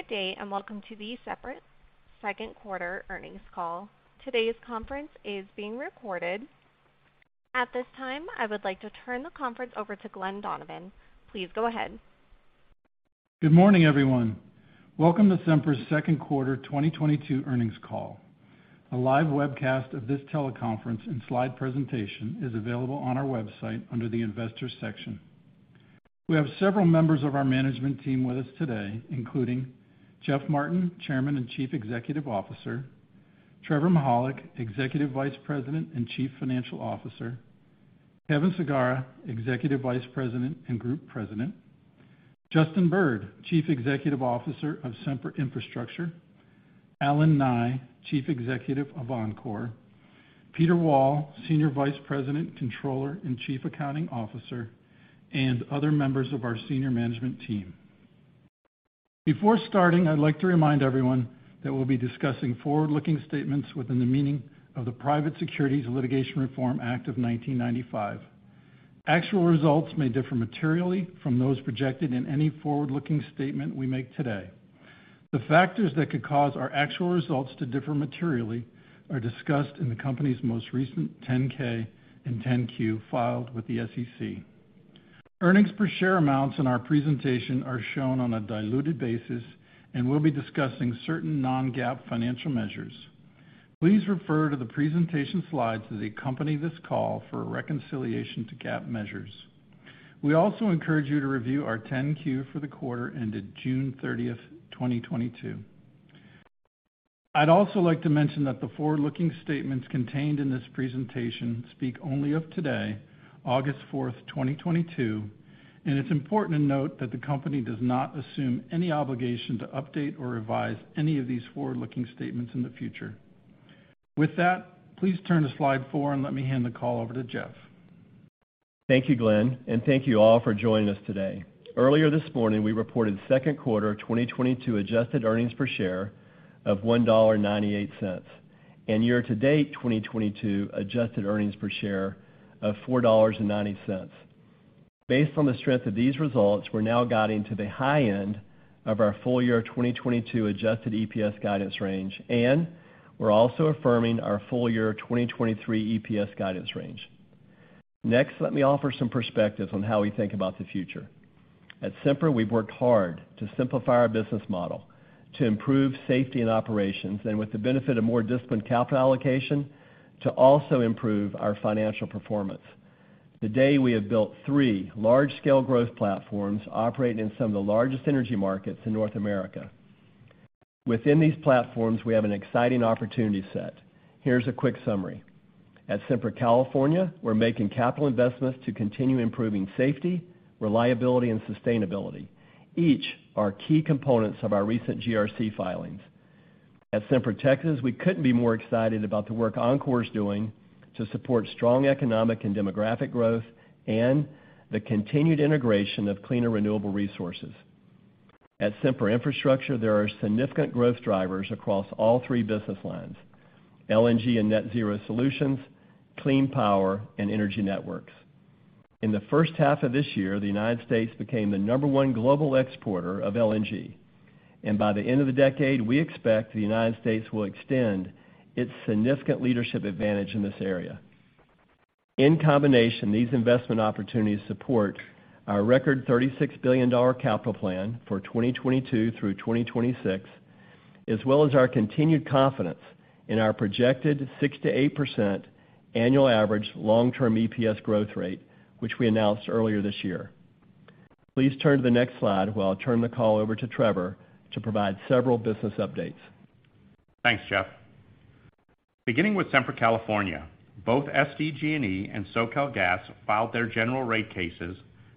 Good day, and welcome to the Sempra second quarter earnings call. Today's conference is being recorded. At this time, I would like to turn the conference over to Glen Donovan. Please go ahead. Good morning, everyone. Welcome to Sempra's second quarter 2022 earnings call. A live webcast of this teleconference and slide presentation is available on our website under the Investors section. We have several members of our management team with us today, including Jeff Martin, Chairman and Chief Executive Officer, Trevor Mihalik, Executive Vice President and Chief Financial Officer, Kevin Sagara, Executive Vice President and Group President, Justin Bird, Chief Executive Officer of Sempra Infrastructure, Allen Nye, Chief Executive of Oncor, Peter Wall, Senior Vice President, Controller, and Chief Accounting Officer, and other members of our senior management team. Before starting, I'd like to remind everyone that we'll be discussing forward-looking statements within the meaning of the Private Securities Litigation Reform Act of 1995. Actual results may differ materially from those projected in any forward-looking statement we make today. The factors that could cause our actual results to differ materially are discussed in the company's most recent 10-K and 10-Q filed with the SEC. Earnings per share amounts in our presentation are shown on a diluted basis, and we'll be discussing certain non-GAAP financial measures. Please refer to the presentation slides that accompany this call for a reconciliation to GAAP measures. We also encourage you to review our 10-Q for the quarter ended June 30th, 2022. I'd also like to mention that the forward-looking statements contained in this presentation speak only of today, August 4th, 2022, and it's important to note that the company does not assume any obligation to update or revise any of these forward-looking statements in the future. With that, please turn to slide four and let me hand the call over to Jeff. Thank you, Glen, and thank you all for joining us today. Earlier this morning, we reported second quarter of 2022 adjusted earnings per share of $1.98, and year-to-date 2022 adjusted earnings per share of $4.90. Based on the strength of these results, we're now guiding to the high end of our full-year 2022 adjusted EPS guidance range, and we're also affirming our full-year 2023 EPS guidance range. Next, let me offer some perspective on how we think about the future. At Sempra, we've worked hard to simplify our business model, to improve safety and operations, and with the benefit of more disciplined capital allocation, to also improve our financial performance. Today, we have built three large-scale growth platforms operating in some of the largest energy markets in North America. Within these platforms, we have an exciting opportunity set. Here's a quick summary. At Sempra California, we're making capital investments to continue improving safety, reliability, and sustainability. Each are key components of our recent GRC filings. At Sempra Texas, we couldn't be more excited about the work Oncor is doing to support strong economic and demographic growth and the continued integration of cleaner renewable resources. At Sempra Infrastructure, there are significant growth drivers across all three business lines: LNG and net zero solutions, clean power, and energy networks. In the first half of this year, the United States became the number one global exporter of LNG. By the end of the decade, we expect the United States will extend its significant leadership advantage in this area. In combination, these investment opportunities support our record $36 billion capital plan for 2022 through 2026, as well as our continued confidence in our projected 6%-8% annual average long-term EPS growth rate, which we announced earlier this year. Please turn to the next slide while I turn the call over to Trevor to provide several business updates. Thanks, Jeff. Beginning with Sempra California, both SDG&E and SoCalGas filed their general rate cases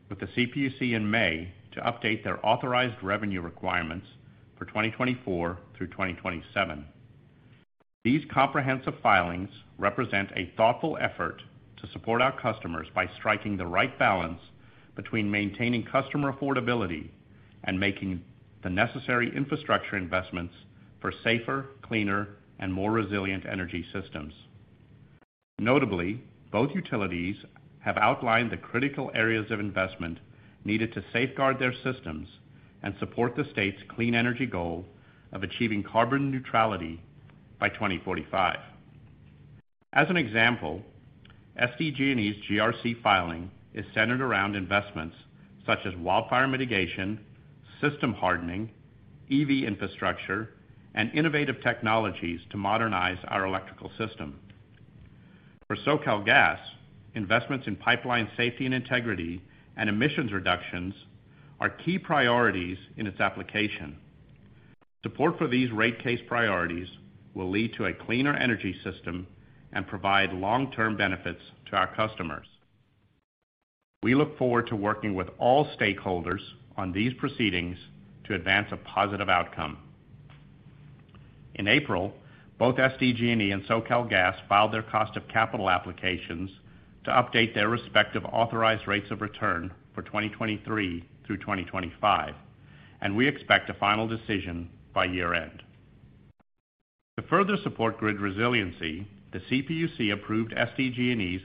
with the CPUC in May to update their authorized revenue requirements for 2024 through 2027. These comprehensive filings represent a thoughtful effort to support our customers by striking the right balance between maintaining customer affordability and making the necessary infrastructure investments for safer, cleaner, and more resilient energy systems. Notably, both utilities have outlined the critical areas of investment needed to safeguard their systems and support the state's clean energy goal of achieving carbon neutrality by 2045. As an example, SDG&E's GRC filing is centered around investments such as wildfire mitigation, system hardening, EV infrastructure, and innovative technologies to modernize our electrical system. For SoCalGas, investments in pipeline safety and integrity and emissions reductions are key priorities in its application. Support for these rate case priorities will lead to a cleaner energy system and provide long-term benefits to our customers. We look forward to working with all stakeholders on these proceedings to advance a positive outcome. In April, both SDG&E and SoCalGas filed their cost of capital applications to update their respective authorized rates of return for 2023 through 2025, and we expect a final decision by year-end. To further support grid resiliency, the CPUC approved SDG&E's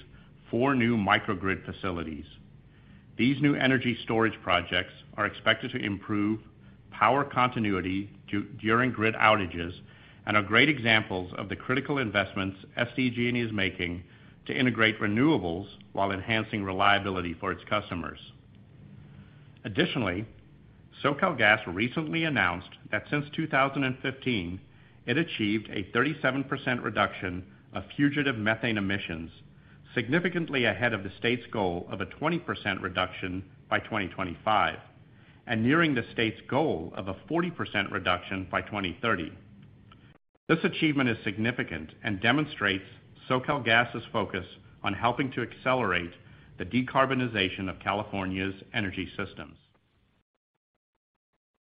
four new microgrid facilities. These new energy storage projects are expected to improve power continuity during grid outages and are great examples of the critical investments SDG&E is making to integrate renewables while enhancing reliability for its customers. SoCalGas recently announced that since 2015, it achieved a 37% reduction of fugitive methane emissions, significantly ahead of the state's goal of a 20% reduction by 2025, and nearing the state's goal of a 40% reduction by 2030. This achievement is significant and demonstrates SoCalGas' focus on helping to accelerate the decarbonization of California's energy systems.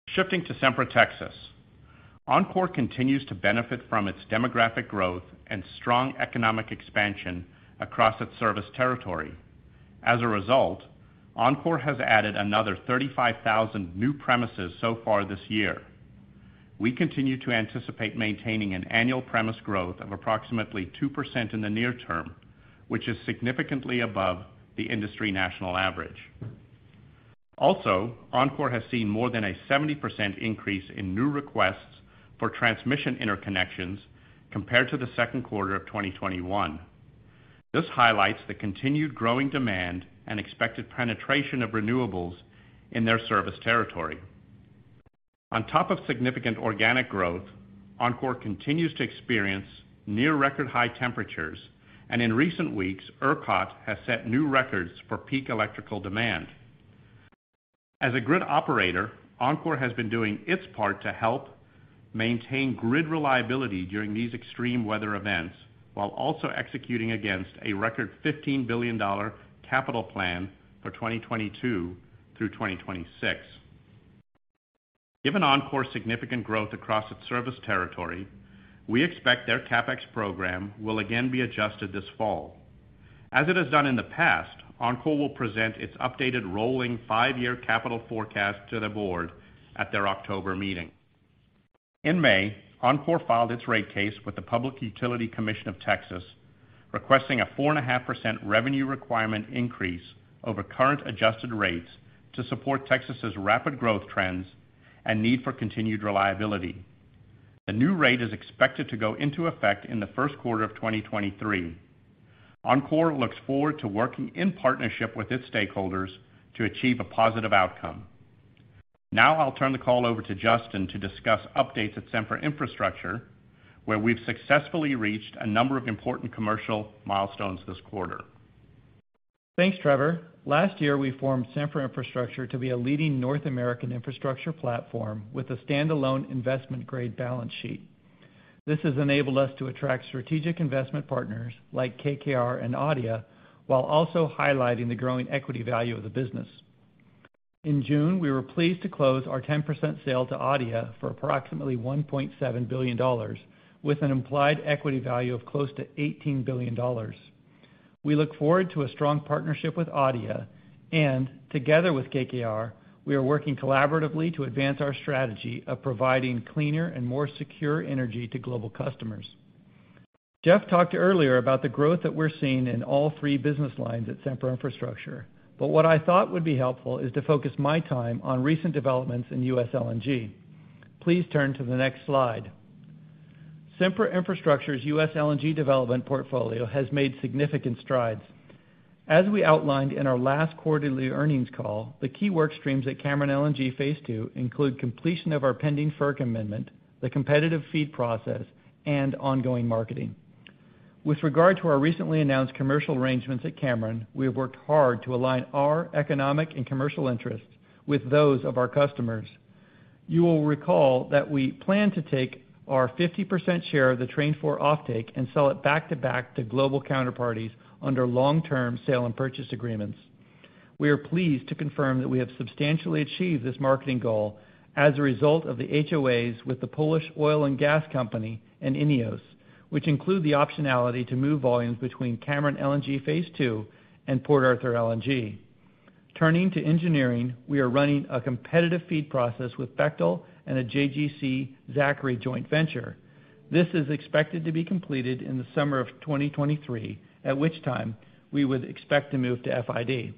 Shifting to Sempra Texas. Oncor continues to benefit from its demographic growth and strong economic expansion across its service territory. As a result, Oncor has added another 35,000 new premises so far this year. We continue to anticipate maintaining an annual premise growth of approximately 2% in the near term, which is significantly above the industry national average. Also, Oncor has seen more than a 70% increase in new requests for transmission interconnections compared to the second quarter of 2021. This highlights the continued growing demand and expected penetration of renewables in their service territory. On top of significant organic growth, Oncor continues to experience near record high temperatures. In recent weeks, ERCOT has set new records for peak electrical demand. As a grid operator, Oncor has been doing its part to help maintain grid reliability during these extreme weather events while also executing against a record $15 billion capital plan for 2022 through 2026. Given Oncor's significant growth across its service territory, we expect their CapEx program will again be adjusted this fall. As it has done in the past, Oncor will present its updated rolling five-year capital forecast to the board at their October meeting. In May, Oncor filed its rate case with the Public Utility Commission of Texas, requesting a 4.5% revenue requirement increase over current adjusted rates to support Texas' rapid growth trends and need for continued reliability. The new rate is expected to go into effect in the first quarter of 2023. Oncor looks forward to working in partnership with its stakeholders to achieve a positive outcome. Now I'll turn the call over to Justin to discuss updates at Sempra Infrastructure, where we've successfully reached a number of important commercial milestones this quarter. Thanks, Trevor. Last year, we formed Sempra Infrastructure to be a leading North American infrastructure platform with a standalone investment-grade balance sheet. This has enabled us to attract strategic investment partners like KKR and ADIA, while also highlighting the growing equity value of the business. In June, we were pleased to close our 10% sale to ADIA for approximately $1.7 billion with an implied equity value of close to $18 billion. We look forward to a strong partnership with ADIA, and together with KKR, we are working collaboratively to advance our strategy of providing cleaner and more secure energy to global customers. Jeff talked earlier about the growth that we're seeing in all three business lines at Sempra Infrastructure, but what I thought would be helpful is to focus my time on recent developments in U.S. LNG. Please turn to the next slide. Sempra Infrastructure's U.S. LNG development portfolio has made significant strides. As we outlined in our last quarterly earnings call, the key work streams at Cameron LNG Phase 2 include completion of our pending FERC amendment, the competitive FEED process, and ongoing marketing. With regard to our recently announced commercial arrangements at Cameron, we have worked hard to align our economic and commercial interests with those of our customers. You will recall that we plan to take our 50% share of the Train 4 offtake and sell it back-to-back to global counterparties under long-term sale and purchase agreements. We are pleased to confirm that we have substantially achieved this marketing goal as a result of the HOAs with Polish Oil and Gas Company and INEOS, which include the optionality to move volumes between Cameron LNG Phase 2 and Port Arthur LNG. Turning to engineering, we are running a competitive feed process with Bechtel and a JGC Zachry joint venture. This is expected to be completed in the summer of 2023, at which time we would expect to move to FID.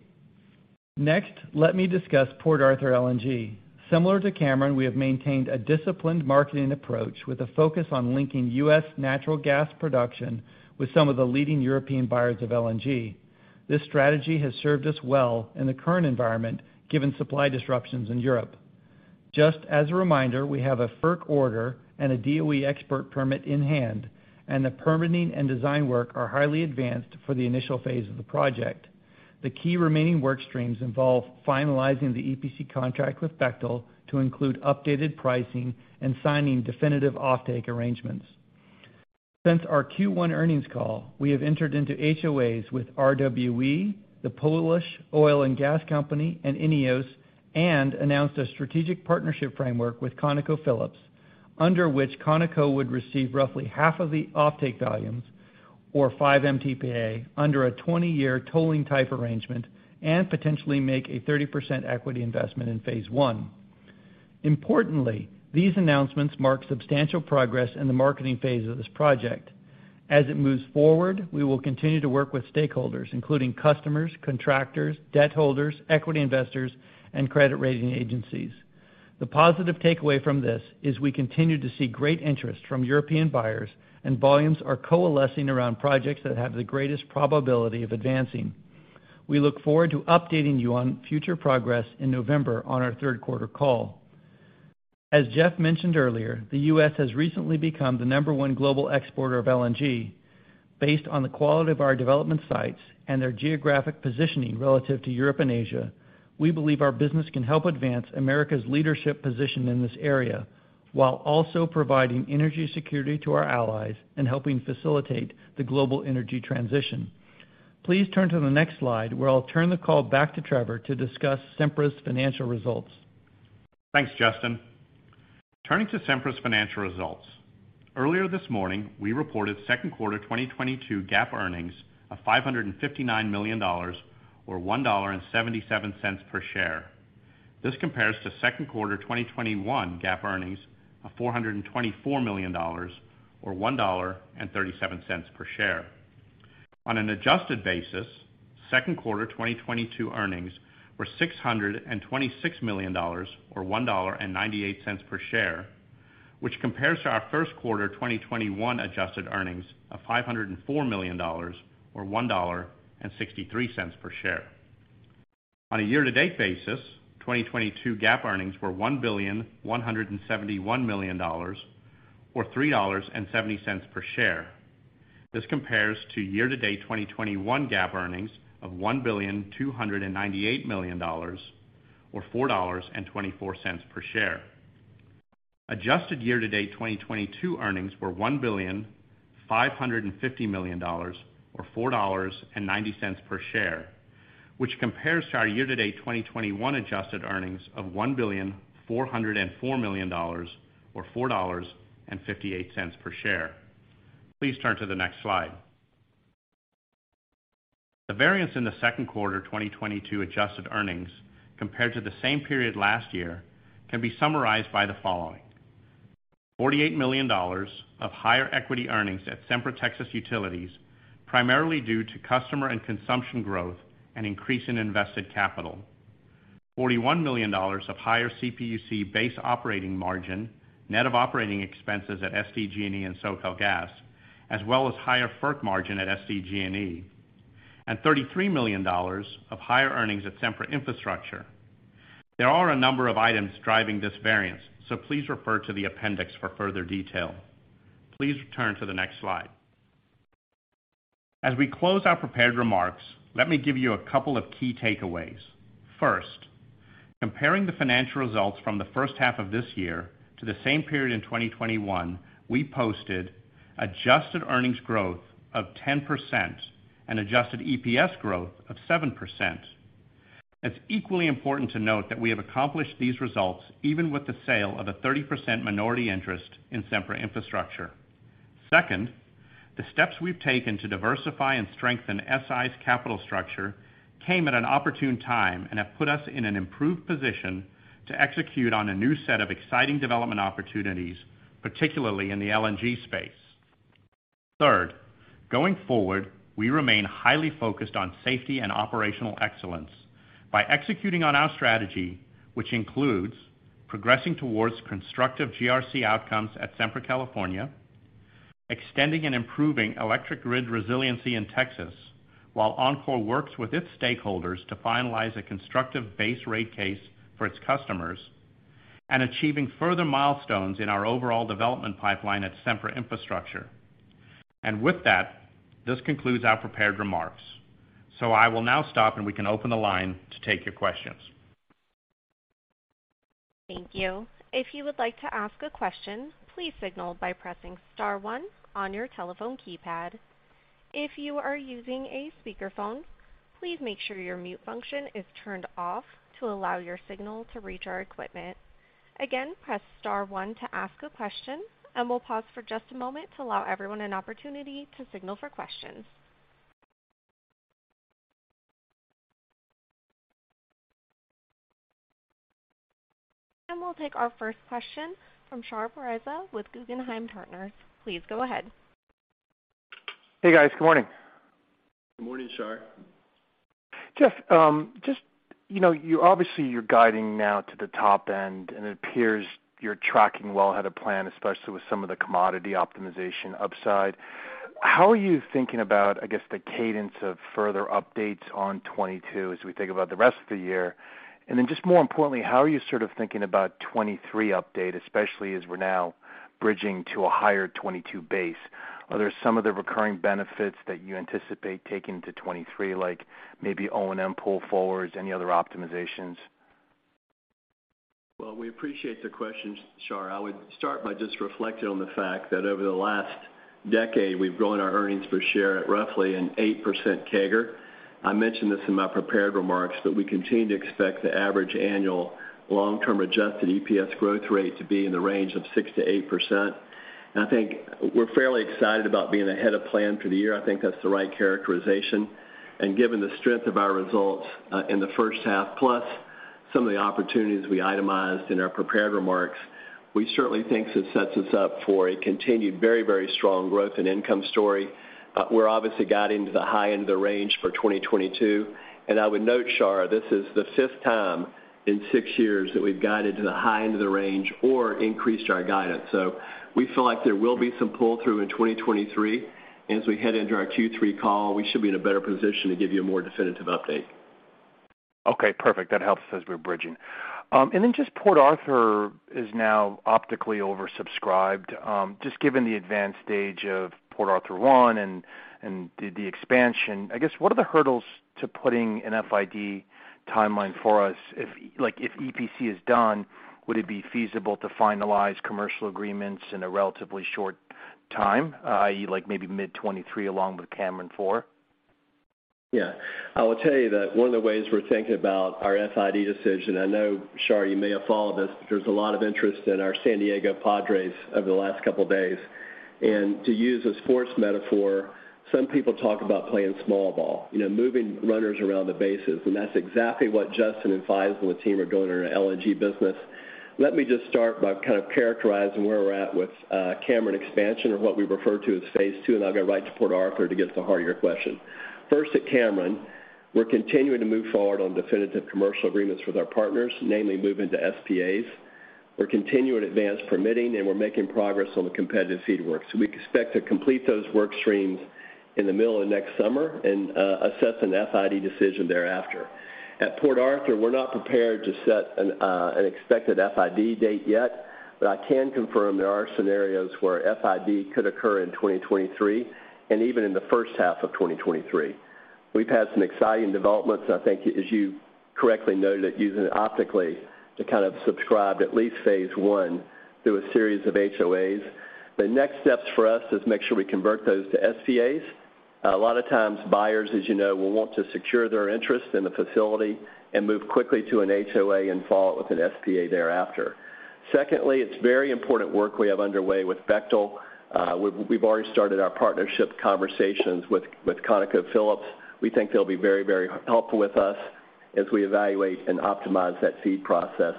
Next, let me discuss Port Arthur LNG. Similar to Cameron, we have maintained a disciplined marketing approach with a focus on linking U.S. natural gas production with some of the leading European buyers of LNG. This strategy has served us well in the current environment, given supply disruptions in Europe. Just as a reminder, we have a FERC order and a DOE export permit in hand, and the permitting and design work are highly advanced for the initial phase of the project. The key remaining work streams involve finalizing the EPC contract with Bechtel to include updated pricing and signing definitive offtake arrangements. Since our Q1 earnings call, we have entered into HOAs with RWE, Polish Oil and Gas Company, and INEOS, and announced a strategic partnership framework with ConocoPhillips, under which Conoco would receive roughly half of the offtake volumes or 5 MTPA under a 20-year tolling type arrangement and potentially make a 30% equity investment in phase one. Importantly, these announcements mark substantial progress in the marketing phase of this project. As it moves forward, we will continue to work with stakeholders, including customers, contractors, debt holders, equity investors, and credit rating agencies. The positive takeaway from this is we continue to see great interest from European buyers and volumes are coalescing around projects that have the greatest probability of advancing. We look forward to updating you on future progress in November on our third quarter call. As Jeff mentioned earlier, the U.S. has recently become the number one global exporter of LNG. Based on the quality of our development sites and their geographic positioning relative to Europe and Asia, we believe our business can help advance America's leadership position in this area while also providing energy security to our allies and helping facilitate the global energy transition. Please turn to the next slide, where I'll turn the call back to Trevor to discuss Sempra's financial results. Thanks, Justin. Turning to Sempra's financial results. Earlier this morning, we reported second quarter 2022 GAAP earnings of $559 million or $1.77 per share. This compares to second quarter 2021 GAAP earnings of $424 million or $1.37 per share. On an adjusted basis, second quarter 2022 earnings were $626 million or $1.98 per share, which compares to our first quarter 2021 adjusted earnings of $504 million or $1.63 per share. On a year-to-date basis, 2022 GAAP earnings were $1.171 billion or $3.70 per share. This compares to year-to-date 2021 GAAP earnings of $1.298 billion or $4.24 per share. Adjusted year-to-date 2022 earnings were $1.550 billion or $4.90 per share, which compares to our year-to-date 2021 adjusted earnings of $1.404 billion or $4.58 per share. Please turn to the next slide. The variance in the second quarter 2022 adjusted earnings compared to the same period last year can be summarized by the following. $48 million of higher equity earnings at Sempra Texas Utilities, primarily due to customer and consumption growth and increase in invested capital. $41 million of higher CPUC base operating margin, net of operating expenses at SDG&E and SoCalGas, as well as higher FERC margin at SDG&E, and $33 million of higher earnings at Sempra Infrastructure. There are a number of items driving this variance, so please refer to the appendix for further detail. Please turn to the next slide. As we close our prepared remarks, let me give you a couple of key takeaways. First, comparing the financial results from the first half of this year to the same period in 2021, we posted adjusted earnings growth of 10% and adjusted EPS growth of 7%. It's equally important to note that we have accomplished these results even with the sale of a 30% minority interest in Sempra Infrastructure. Second, the steps we've taken to diversify and strengthen SI's capital structure came at an opportune time and have put us in an improved position to execute on a new set of exciting development opportunities, particularly in the LNG space. Third, going forward, we remain highly focused on safety and operational excellence by executing on our strategy, which includes progressing towards constructive GRC outcomes at Sempra California, extending and improving electric grid resiliency in Texas while Oncor works with its stakeholders to finalize a constructive base rate case for its customers, and achieving further milestones in our overall development pipeline at Sempra Infrastructure. With that, this concludes our prepared remarks. I will now stop, and we can open the line to take your questions. Thank you. If you would like to ask a question, please signal by pressing star one on your telephone keypad. If you are using a speakerphone, please make sure your mute function is turned off to allow your signal to reach our equipment. Again, press star one to ask a question, and we'll pause for just a moment to allow everyone an opportunity to signal for questions. We'll take our first question from Shar Pourreza with Guggenheim Partners. Please go ahead. Hey, guys. Good morning. Good morning, Shar. Jeff, just, you know, you obviously you're guiding now to the top end, and it appears you're tracking well ahead of plan, especially with some of the commodity optimization upside. How are you thinking about, I guess, the cadence of further updates on 2022 as we think about the rest of the year? Then just more importantly, how are you sort of thinking about 2023 update, especially as we're now bridging to a higher 2022 base? Are there some of the recurring benefits that you anticipate taking to 2023, like maybe O&M pull forwards, any other optimizations? Well, we appreciate the question, Shar. I would start by just reflecting on the fact that over the last decade, we've grown our earnings per share at roughly an 8% CAGR. I mentioned this in my prepared remarks, but we continue to expect the average annual long-term adjusted EPS growth rate to be in the range of 6%-8%. I think we're fairly excited about being ahead of plan for the year. I think that's the right characterization. Given the strength of our results in the first half, plus some of the opportunities we itemized in our prepared remarks, we certainly think this sets us up for a continued very, very strong growth and income story. We're obviously guiding to the high end of the range for 2022. I would note, Shar, this is the fifth time in six years that we've guided to the high end of the range or increased our guidance. We feel like there will be some pull-through in 2023. As we head into our Q3 call, we should be in a better position to give you a more definitive update. Okay, perfect. That helps as we're bridging. Port Arthur is now optically oversubscribed. Just given the advanced stage of Port Arthur 1 and the expansion, I guess, what are the hurdles to putting an FID timeline for us? If EPC is done, would it be feasible to finalize commercial agreements in a relatively short time, i.e., like maybe mid-2023 along with Cameron Four? Yeah. I will tell you that one of the ways we're thinking about our FID decision. I know, Shar, you may have followed this, but there's a lot of interest in our San Diego Padres over the last couple of days. To use a sports metaphor, some people talk about playing small ball, you know, moving runners around the bases, and that's exactly what Justin and Faisel and the team are doing in our LNG business. Let me just start by kind of characterizing where we're at with Cameron expansion or what we refer to as phase two, and I'll go right to Port Arthur to get to the heart of your question. First, at Cameron, we're continuing to move forward on definitive commercial agreements with our partners, namely moving to SPAs. We're continuing advanced permitting, and we're making progress on the competitive FEED work. We expect to complete those work streams in the middle of next summer and assess an FID decision thereafter. At Port Arthur, we're not prepared to set an expected FID date yet, but I can confirm there are scenarios where FID could occur in 2023 and even in the first half of 2023. We've had some exciting developments, and I think as you correctly noted, using it optically to kind of subscribe at least phase one through a series of HOAs. The next steps for us is make sure we convert those to SPAs. A lot of times buyers, as you know, will want to secure their interest in the facility and move quickly to an HOA and follow it with an SPA thereafter. Secondly, it's very important work we have underway with Bechtel. We've already started our partnership conversations with ConocoPhillips. We think they'll be very, very helpful with us as we evaluate and optimize that FEED process.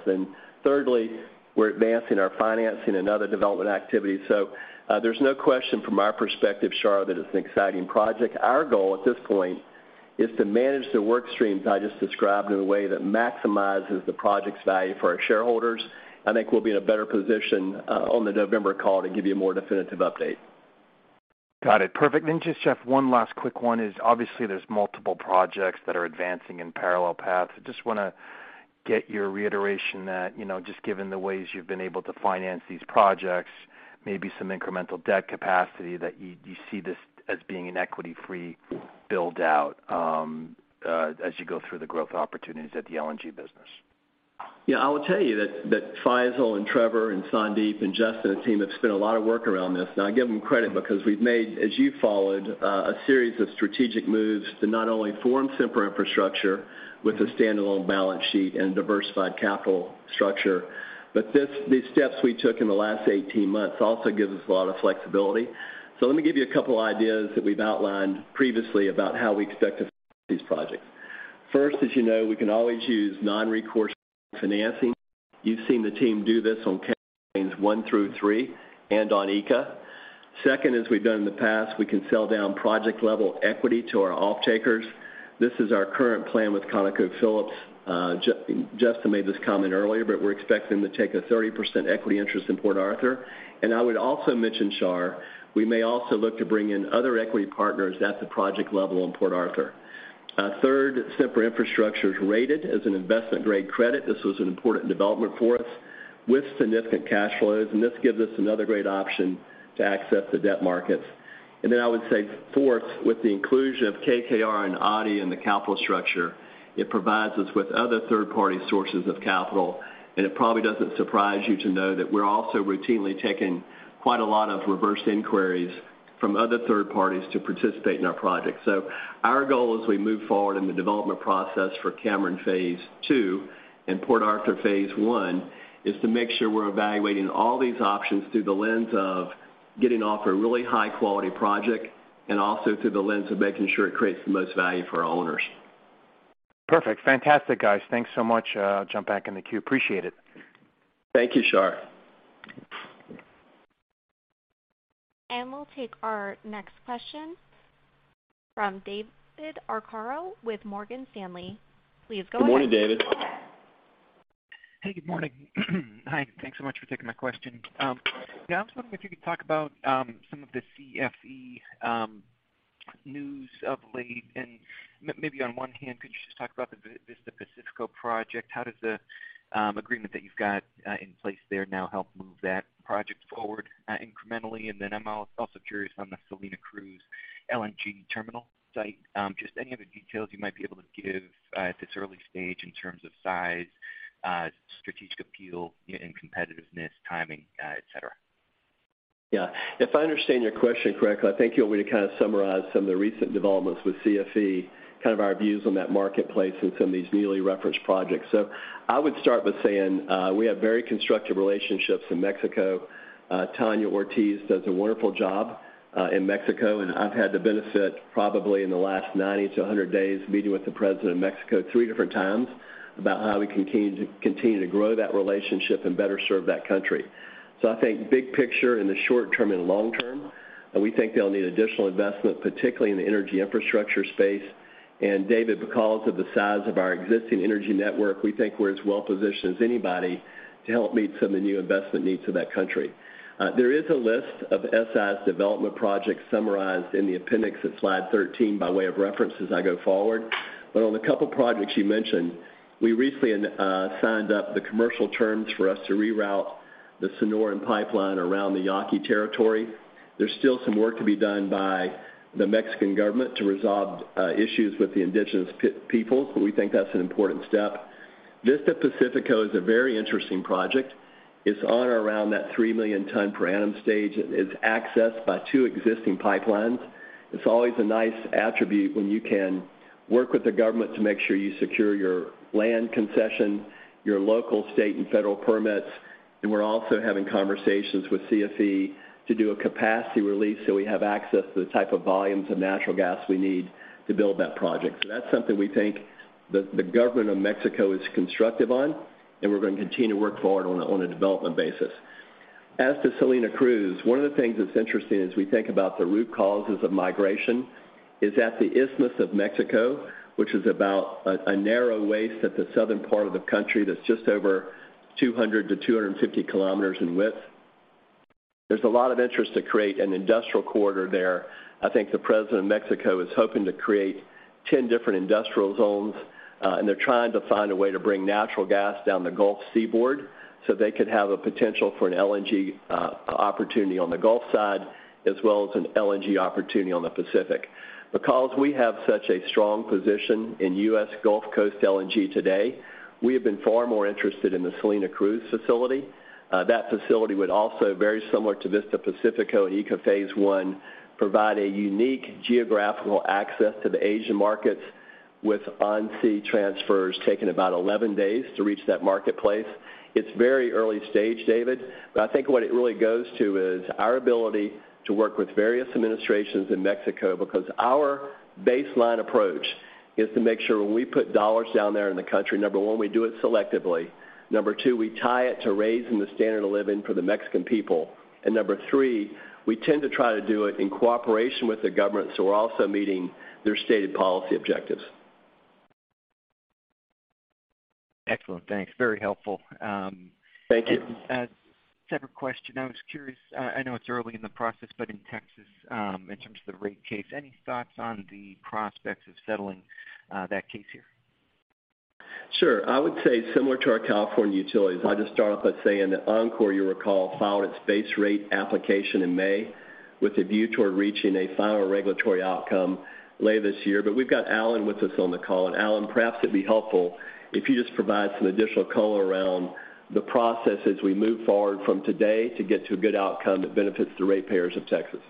Thirdly, we're advancing our financing and other development activities. There's no question from our perspective, Shar, that it's an exciting project. Our goal at this point is to manage the work streams I just described in a way that maximizes the project's value for our shareholders. I think we'll be in a better position on the November call to give you a more definitive update. Got it. Perfect. Just, Jeff, one last quick one is obviously there's multiple projects that are advancing in parallel paths. I just wanna get your reiteration that, you know, just given the ways you've been able to finance these projects, maybe some incremental debt capacity that you see this as being an equity-free build-out, as you go through the growth opportunities at the LNG business. Yeah, I will tell you that Faisel and Trevor and Sandeep and Justin and the team have spent a lot of work around this. I give them credit because we've made, as you followed, a series of strategic moves to not only form Sempra Infrastructure with a standalone balance sheet and diversified capital structure, but these steps we took in the last 18 months also gives us a lot of flexibility. Let me give you a couple ideas that we've outlined previously about how we expect to fund these projects. First, as you know, we can always use non-recourse financing. You've seen the team do this on Cameron Trains 1 through 3 and on ECA. Second, as we've done in the past, we can sell down project-level equity to our off-takers. This is our current plan with ConocoPhillips. Justin made this comment earlier, but we're expecting to take a 30% equity interest in Port Arthur LNG. I would also mention, Shar, we may also look to bring in other equity partners at the project level in Port Arthur LNG. Third, Sempra Infrastructure is rated as an investment-grade credit. This was an important development for us, with significant cash flows, and this gives us another great option to access the debt markets. Then I would say fourth, with the inclusion of KKR and ADIA in the capital structure, it provides us with other third-party sources of capital. It probably doesn't surprise you to know that we're also routinely taking quite a lot of reverse inquiries from other third parties to participate in our project. Our goal as we move forward in the development process for Cameron Phase 2 and Port Arthur Phase 1 is to make sure we're evaluating all these options through the lens of getting off a really high-quality project and also through the lens of making sure it creates the most value for our owners. Perfect. Fantastic, guys. Thanks so much. Jump back in the queue. Appreciate it. Thank you, Shar. We'll take our next question from David Arcaro with Morgan Stanley. Please go ahead. Good morning, David. Hey, good morning. Hi, and thanks so much for taking my question. Yeah, I was wondering if you could talk about some of the CFE news of late. Maybe on one hand, could you just talk about the Vista Pacífico project? How does the agreement that you've got in place there now help move that project forward incrementally? Then I'm also curious on the Salina Cruz LNG terminal site. Just any other details you might be able to give at this early stage in terms of size, strategic appeal and competitiveness, timing, et cetera. Yeah. If I understand your question correctly, I think you want me to kind of summarize some of the recent developments with CFE, kind of our views on that marketplace and some of these newly referenced projects. I would start with saying, we have very constructive relationships in Mexico. Tania Ortiz does a wonderful job in Mexico, and I've had the benefit probably in the last 90-100 days, meeting with the president of Mexico three different times about how we continue to grow that relationship and better serve that country. I think big picture in the short-term and long-term, we think they'll need additional investment, particularly in the energy infrastructure space. David, because of the size of our existing energy network, we think we're as well positioned as anybody to help meet some of the new investment needs of that country. There is a list of SI's development projects summarized in the appendix at slide 13 by way of reference as I go forward. On the couple projects you mentioned, we recently signed up the commercial terms for us to reroute the Sonora Pipeline around the Yaqui territory. There's still some work to be done by the Mexican government to resolve issues with the indigenous people. We think that's an important step. Vista Pacífico is a very interesting project. It's on around that 3 million tonnes per annum stage. It's accessed by two existing pipelines. It's always a nice attribute when you can work with the government to make sure you secure your land concession, your local state and federal permits. We're also having conversations with CFE to do a capacity release so we have access to the type of volumes of natural gas we need to build that project. That's something we think that the government of Mexico is constructive on, and we're gonna continue to work forward on a, on a development basis. As to Salina Cruz, one of the things that's interesting as we think about the root causes of migration is at the Isthmus of Mexico, which is about a narrow waist at the southern part of the country that's just over 200 km-250 km in width. There's a lot of interest to create an industrial corridor there. I think the president of Mexico is hoping to create 10 different industrial zones, and they're trying to find a way to bring natural gas down the Gulf seaboard, so they could have a potential for an LNG opportunity on the Gulf side, as well as an LNG opportunity on the Pacific. Because we have such a strong position in U.S. Gulf Coast LNG today, we have been far more interested in the Salina Cruz facility. That facility would also, very similar to Vista Pacífico and ECA Phase 1, provide a unique geographical access to the Asian markets with on-sea transfers taking about 11 days to reach that marketplace. It's very early stage, David, but I think what it really goes to is our ability to work with various administrations in Mexico because our baseline approach is to make sure when we put dollars down there in the country, number one, we do it selectively. Number two, we tie it to raising the standard of living for the Mexican people. Number three, we tend to try to do it in cooperation with the government, so we're also meeting their stated policy objectives. Excellent. Thanks, very helpful. Thank you. Separate question. I was curious, I know it's early in the process, but in Texas, in terms of the rate case, any thoughts on the prospects of settling that case here? Sure. I would say similar to our California utilities. I'll just start off by saying that Oncor, you recall, filed its base rate application in May with a view toward reaching a final regulatory outcome late this year. We've got Allen with us on the call. Allen, perhaps it'd be helpful if you just provide some additional color around the process as we move forward from today to get to a good outcome that benefits the ratepayers of Texas.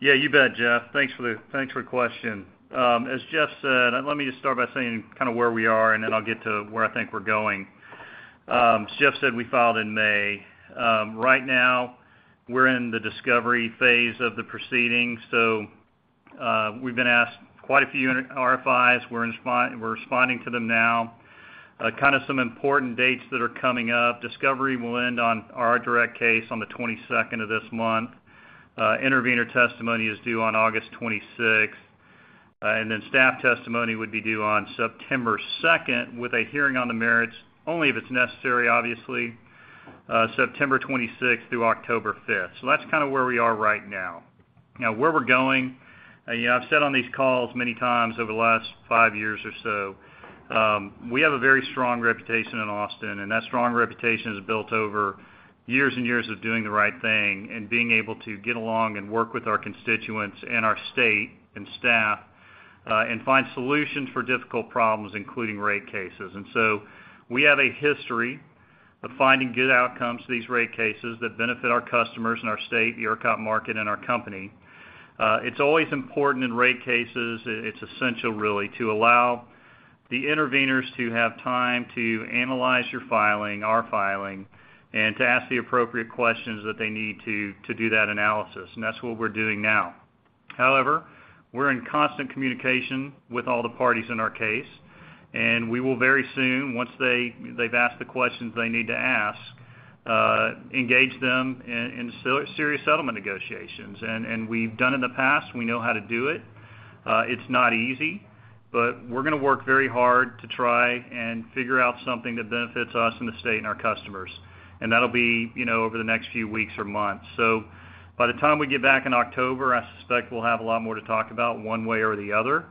Yeah, you bet, Jeff. Thanks for the question. As Jeff said, let me just start by saying kind of where we are, and then I'll get to where I think we're going. As Jeff said, we filed in May. Right now we're in the discovery phase of the proceedings. We've been asked quite a few RFIs. We're responding to them now. Kind of some important dates that are coming up. Discovery will end on our direct case on the 22nd of this month. Intervener testimony is due on August 26. And then staff testimony would be due on September 2nd, with a hearing on the merits only if it's necessary, obviously, September 26 through October 5th. That's kind of where we are right now. Now, where we're going, you know, I've said on these calls many times over the last five years or so, we have a very strong reputation in Austin, and that strong reputation is built over years and years of doing the right thing and being able to get along and work with our constituents and our state and staff, and find solutions for difficult problems, including rate cases. We have a history of finding good outcomes to these rate cases that benefit our customers and our state, the ERCOT market, and our company. It's always important in rate cases, it's essential really, to allow the interveners to have time to analyze your filing, our filing, and to ask the appropriate questions that they need to do that analysis. That's what we're doing now. However, we're in constant communication with all the parties in our case, and we will very soon, once they've asked the questions they need to ask, engage them in serious settlement negotiations. We've done in the past, we know how to do it. It's not easy, but we're gonna work very hard to try and figure out something that benefits us and the state and our customers. That'll be, you know, over the next few weeks or months. By the time we get back in October, I suspect we'll have a lot more to talk about one way or the other.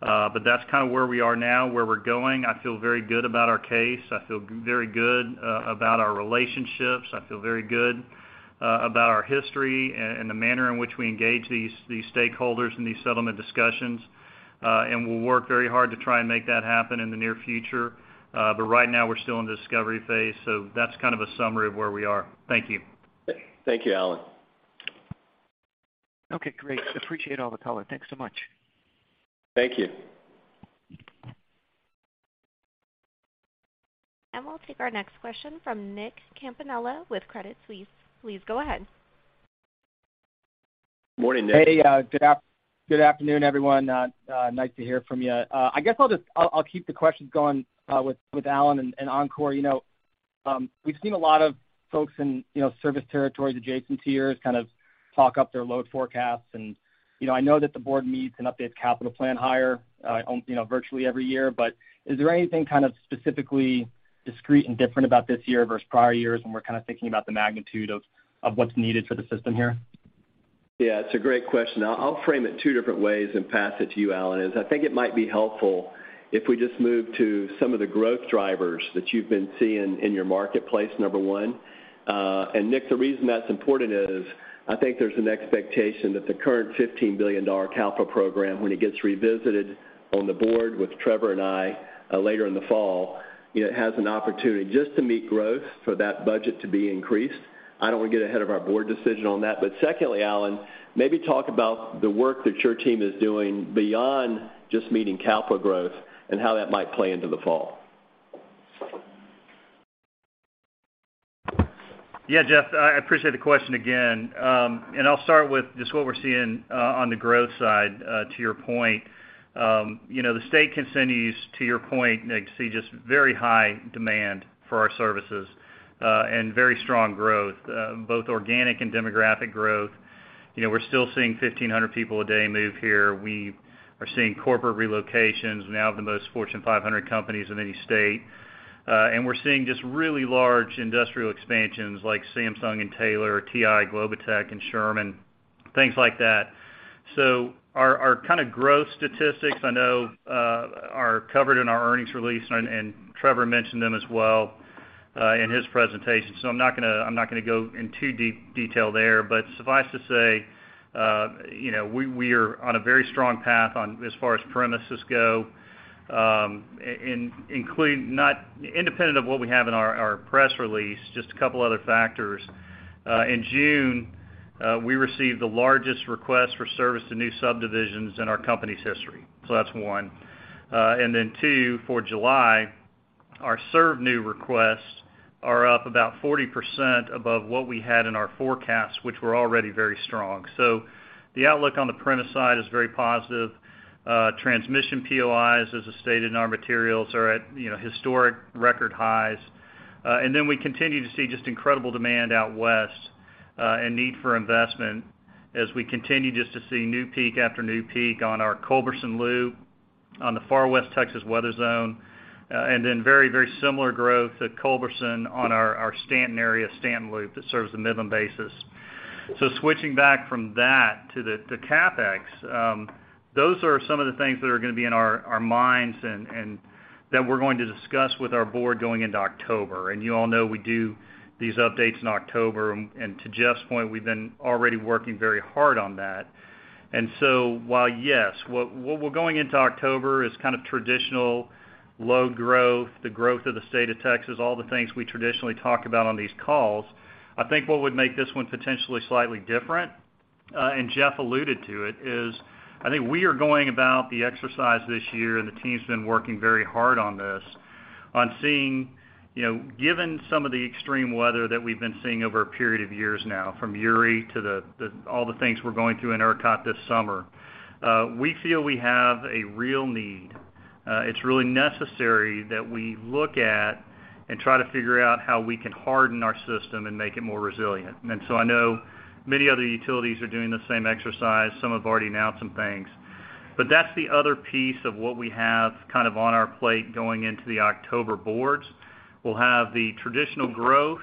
That's kind of where we are now, where we're going. I feel very good about our case. I feel very good about our relationships. I feel very good about our history and the manner in which we engage these stakeholders in these settlement discussions. We'll work very hard to try and make that happen in the near future. Right now we're still in the discovery phase. That's kind of a summary of where we are. Thank you. Thank you, Allen. Okay, great. Appreciate all the color. Thanks so much. Thank you. We'll take our next question from Nick Campanella with Credit Suisse. Please go ahead. Morning, Nick. Hey, good afternoon, everyone. Nice to hear from you. I guess I'll keep the questions going with Allen Nye and Oncor. You know, we've seen a lot of folks in service territories, adjacent tiers kind of talk up their load forecasts. You know, I know that the board meets and updates capital plan higher, you know, virtually every year. Is there anything kind of specifically discrete and different about this year versus prior years when we're kind of thinking about the magnitude of what's needed for the system here? Yeah, it's a great question. I'll frame it two different ways and pass it to you, Allen. As I think it might be helpful if we just move to some of the growth drivers that you've been seeing in your marketplace, number one. Nick, the reason that's important is I think there's an expectation that the current $15 billion capital program, when it gets revisited on the board with Trevor and I, later in the fall, you know, has an opportunity just to meet growth for that budget to be increased. I don't want to get ahead of our board decision on that. Secondly, Allen, maybe talk about the work that your team is doing beyond just meeting capital growth and how that might play into the fall. Yeah, Jeff, I appreciate the question again. I'll start with just what we're seeing on the growth side, to your point. You know, the state continues, to your point, Nick, see just very high demand for our services and very strong growth, both organic and demographic growth. You know, we're still seeing 1,500 people a day move here. We are seeing corporate relocations now of the most Fortune 500 companies in any state. We're seeing just really large industrial expansions like Samsung and Taylor, TI, GlobiTech and Sherman, things like that. So our kind of growth statistics, I know, are covered in our earnings release, and Trevor mentioned them as well in his presentation. So I'm not gonna go in too deep detail there. Suffice to say, you know, we are on a very strong path on as far as premises go, including not independent of what we have in our press release, just a couple other factors. In June, we received the largest request for service to new subdivisions in our company's history. That's one. Two, for July, our service new requests are up about 40% above what we had in our forecasts, which were already very strong. The outlook on the premises side is very positive. Transmission POIs, as stated in our materials, are at, you know, historic record highs. We continue to see just incredible demand out west, and need for investment as we continue just to see new peak after new peak on our Culberson Loop on the far West Texas weather zone. Very, very similar growth at Culberson on our Stanton area, Stanton loop that serves the Midland Basin. Switching back from that to the CapEx, those are some of the things that are gonna be in our minds and that we're going to discuss with our board going into October. You all know we do these updates in October. To Jeff's point, we've been already working very hard on that. While, yes, what we're going into October is kind of traditional low growth, the growth of the state of Texas, all the things we traditionally talk about on these calls, I think what would make this one potentially slightly different, and Jeff alluded to it, is I think we are going about the exercise this year, and the team's been working very hard on this. On seeing, you know, given some of the extreme weather that we've been seeing over a period of years now, from Uri to the all the things we're going through in ERCOT this summer, we feel we have a real need. It's really necessary that we look at and try to figure out how we can harden our system and make it more resilient. I know many other utilities are doing the same exercise. Some have already announced some things. That's the other piece of what we have kind of on our plate going into the October board's. We'll have the traditional growth,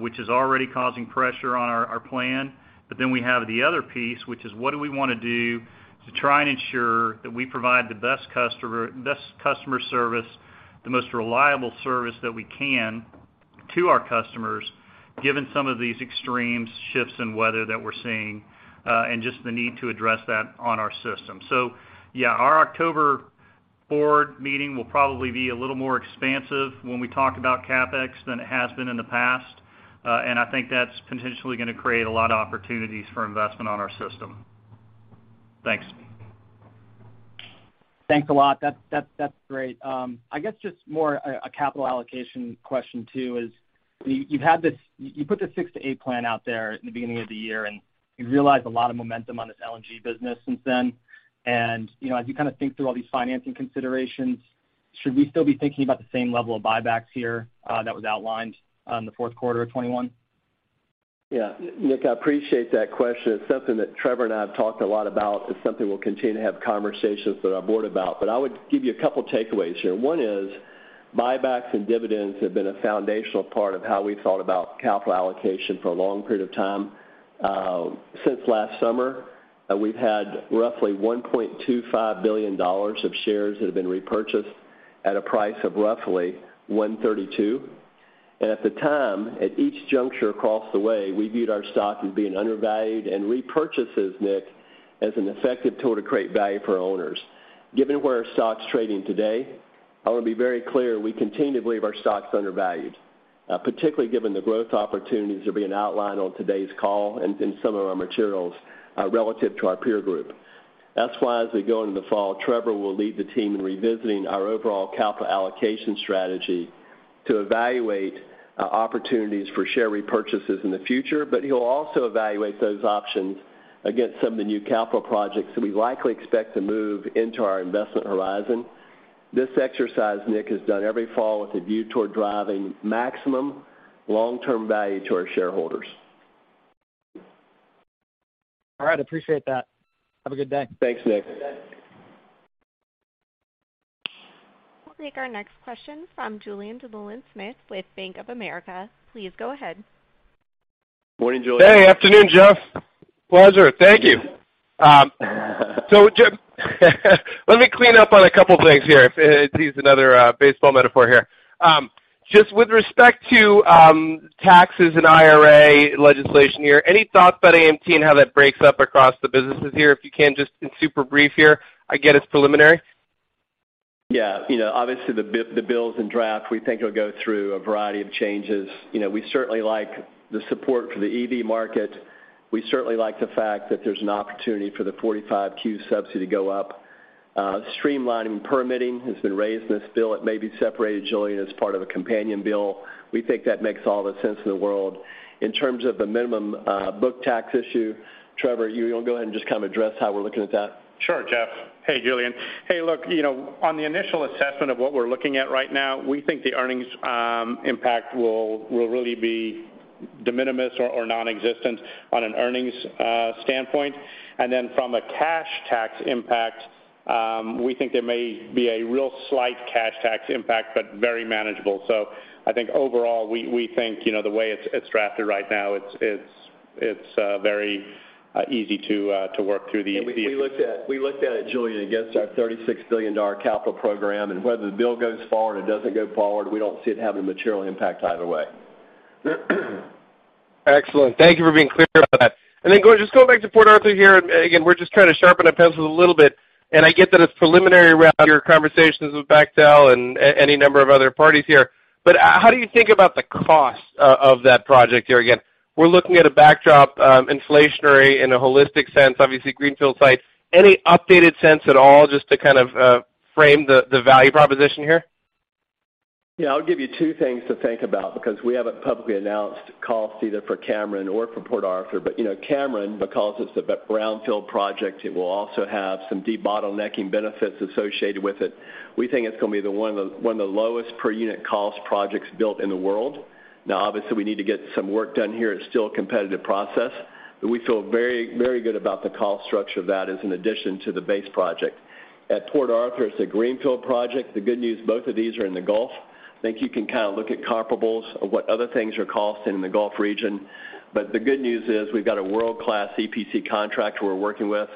which is already causing pressure on our plan. Then we have the other piece, which is what do we wanna do to try and ensure that we provide the best customer service, the most reliable service that we can to our customers, given some of these extreme shifts in weather that we're seeing, and just the need to address that on our system. Yeah, our October board meeting will probably be a little more expansive when we talk about CapEx than it has been in the past. I think that's potentially gonna create a lot of opportunities for investment on our system. Thanks. Thanks a lot. That's great. I guess just more a capital allocation question too is you put this six to eight plan out there in the beginning of the year, and you've realized a lot of momentum on this LNG business since then. You know, as you kind of think through all these financing considerations, should we still be thinking about the same level of buybacks here that was outlined on the fourth quarter of 2021? Yeah. Nick, I appreciate that question. It's something that Trevor and I have talked a lot about. It's something we'll continue to have conversations with our board about. But I would give you a couple takeaways here. One is buybacks and dividends have been a foundational part of how we've thought about capital allocation for a long period of time. Since last summer, we've had roughly $1.25 billion of shares that have been repurchased at a price of roughly $132. At the time, at each juncture across the way, we viewed our stock as being undervalued and repurchases, Nick, as an effective tool to create value for owners. Given where our stock's trading today, I want to be very clear, we continue to believe our stock's undervalued. Particularly given the growth opportunities that are being outlined on today's call and some of our materials, relative to our peer group. That's why as we go into the fall, Trevor will lead the team in revisiting our overall capital allocation strategy to evaluate opportunities for share repurchases in the future, but he'll also evaluate those options against some of the new capital projects that we likely expect to move into our investment horizon. This exercise Nick has done every fall with a view toward driving maximum long-term value to our shareholders. All right, appreciate that. Have a good day. Thanks, Nick. We'll take our next question from Julien Dumoulin-Smith with Bank of America. Please go ahead. Morning, Julien Dumoulin-Smith. Hey, afternoon, Jeff. Pleasure. Thank you. Jeff, let me clean up on a couple things here, to use another baseball metaphor here. Just with respect to taxes and IRA legislation here, any thoughts about AMT and how that breaks up across the businesses here, if you can just in super brief here? I get it's preliminary. Yeah. You know, obviously, the bills and drafts we think will go through a variety of changes. You know, we certainly like the support for the EV market. We certainly like the fact that there's an opportunity for the 45Q subsidy to go up. Streamlining permitting has been raised in this bill. It may be separated, Julien, as part of a companion bill. We think that makes all the sense in the world. In terms of the minimum book tax issue, Trevor, you'll go ahead and just kind of address how we're looking at that. Sure, Jeff. Hey, Julien. Hey, look, you know, on the initial assessment of what we're looking at right now, we think the earnings impact will really be de minimis or nonexistent on an earnings standpoint. Then from a cash tax impact, we think there may be a real slight cash tax impact, but very manageable. I think overall, we think, you know, the way it's very easy to work through the- We looked at it, Julien, against our $36 billion capital program, and whether the bill goes forward or doesn't go forward, we don't see it having a material impact either way. Excellent. Thank you for being clear about that. Just going back to Port Arthur here, and again, we're just trying to sharpen our pencils a little bit, and I get that it's preliminary around your conversations with Bechtel and any number of other parties here, but how do you think about the cost of that project here again? We're looking at a backdrop, inflationary in a holistic sense, obviously greenfield sites. Any updated sense at all just to kind of frame the value proposition here? Yeah. I'll give you two things to think about because we haven't publicly announced costs either for Cameron or for Port Arthur. You know, Cameron, because it's a brownfield project, it will also have some debottlenecking benefits associated with it. We think it's gonna be one of the lowest per unit cost projects built in the world. Now, obviously, we need to get some work done here. It's still a competitive process, but we feel very, very good about the cost structure of that as an addition to the base project. At Port Arthur, it's a greenfield project. The good news, both of these are in the Gulf. I think you can kind of look at comparables of what other things are costing in the Gulf region. The good news is we've got a world-class EPC contract we're working with.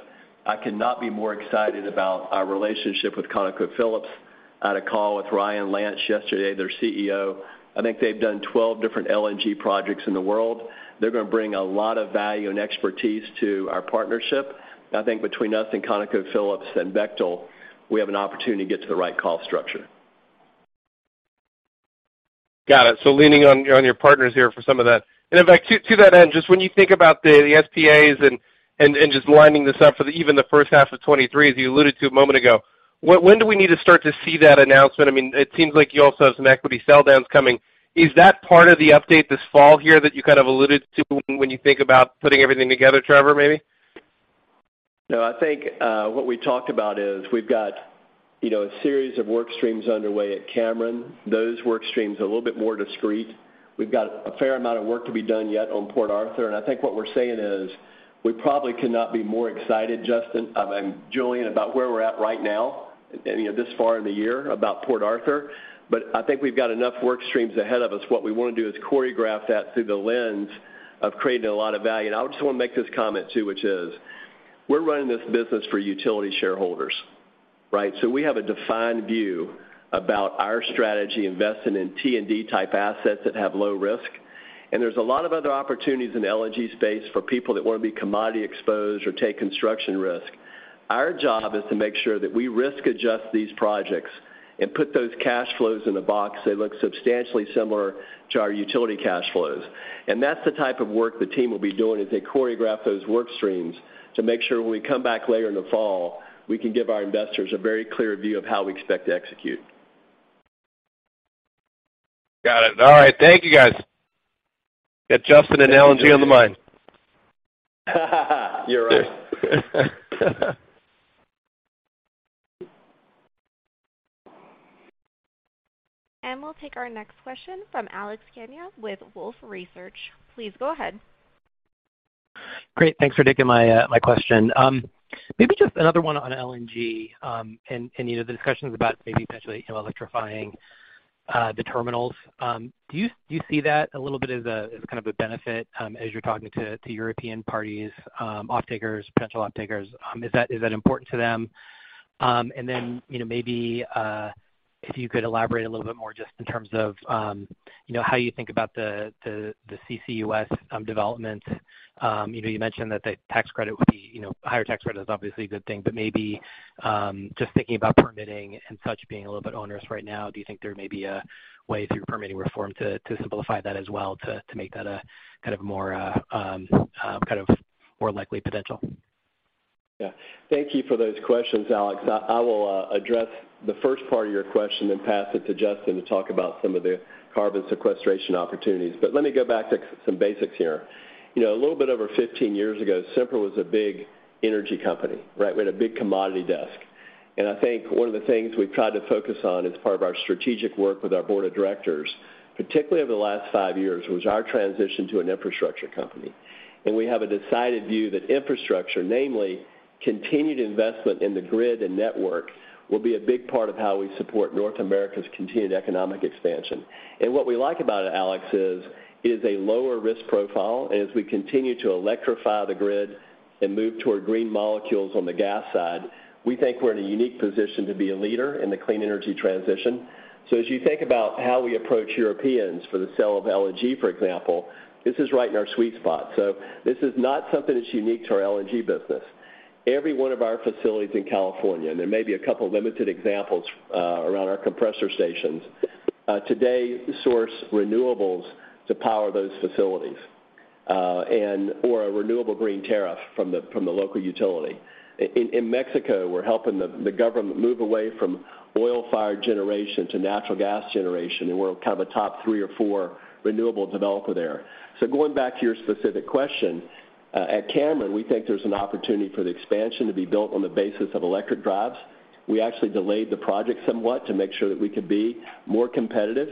I cannot be more excited about our relationship with ConocoPhillips. I had a call with Ryan Lance yesterday, their CEO. I think they've done 12 different LNG projects in the world. They're gonna bring a lot of value and expertise to our partnership. I think between us and ConocoPhillips and Bechtel, we have an opportunity to get to the right cost structure. Got it. Leaning on your partners here for some of that. In fact, to that end, just when you think about the SPAs and just lining this up for even the first half of 2023, as you alluded to a moment ago, when do we need to start to see that announcement? I mean, it seems like you also have some equity sell downs coming. Is that part of the update this fall here that you kind of alluded to when you think about putting everything together, Trevor, maybe? No. I think what we talked about is we've got, you know, a series of work streams underway at Cameron. Those work streams are a little bit more discrete. We've got a fair amount of work to be done yet on Port Arthur. I think what we're saying is we probably could not be more excited, Justin, and Julien, about where we're at right now, you know, this far in the year about Port Arthur. I think we've got enough work streams ahead of us. What we wanna do is choreograph that through the lens of creating a lot of value. I just wanna make this comment too, which is, we're running this business for utility shareholders, right? We have a defined view about our strategy investing in T&D type assets that have low risk. There's a lot of other opportunities in the LNG space for people that wanna be commodity exposed or take construction risk. Our job is to make sure that we risk adjust these projects and put those cash flows in a box that looks substantially similar to our utility cash flows. That's the type of work the team will be doing as they choreograph those work streams to make sure when we come back later in the fall, we can give our investors a very clear view of how we expect to execute. Got it. All right. Thank you guys. Got Justin and LNG on the mind. You're right. We'll take our next question from Alex Kania with Wolfe Research. Please go ahead. Great. Thanks for taking my question. Maybe just another one on LNG, and you know, the discussions about maybe potentially electrifying the terminals. Do you see that a little bit as kind of a benefit as you're talking to European parties, offtakers, potential offtakers? Is that important to them? You know, maybe if you could elaborate a little bit more just in terms of you know, how you think about the CCUS development. You know, you mentioned that the tax credit would be, you know, higher tax credit is obviously a good thing, but maybe just thinking about permitting and such being a little bit onerous right now, do you think there may be a way through permitting reform to simplify that as well to make that a kind of more kind of, more likely potential. Yeah. Thank you for those questions, Alex. I will address the first part of your question, then pass it to Justin to talk about some of the carbon sequestration opportunities. Let me go back to some basics here. You know, a little bit over 15 years ago, Sempra was a big energy company, right? We had a big commodity desk. I think one of the things we've tried to focus on as part of our strategic work with our board of directors, particularly over the last five years, was our transition to an infrastructure company. We have a decided view that infrastructure, namely continued investment in the grid and network, will be a big part of how we support North America's continued economic expansion. What we like about it, Alex, is it is a lower risk profile. As we continue to electrify the grid and move toward green molecules on the gas side, we think we're in a unique position to be a leader in the clean energy transition. As you think about how we approach Europeans for the sale of LNG, for example, this is right in our sweet spot. This is not something that's unique to our LNG business. Every one of our facilities in California, and there may be a couple limited examples around our compressor stations today source renewables to power those facilities or a renewable green tariff from the local utility. In Mexico, we're helping the government move away from oil-fired generation to natural gas generation, and we're kind of a top three or four renewable developer there. Going back to your specific question, at Cameron, we think there's an opportunity for the expansion to be built on the basis of electric drives. We actually delayed the project somewhat to make sure that we could be more competitive.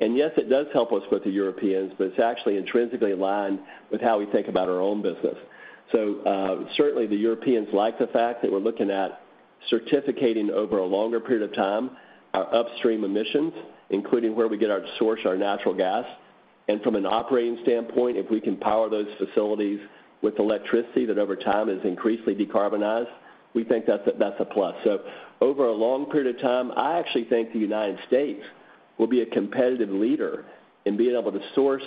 Yes, it does help us with the Europeans, but it's actually intrinsically aligned with how we think about our own business. Certainly the Europeans like the fact that we're looking at certificating over a longer period of time our upstream emissions, including where we get our source, our natural gas. From an operating standpoint, if we can power those facilities with electricity that over time is increasingly decarbonized, we think that's a plus. Over a long period of time, I actually think the United States will be a competitive leader in being able to source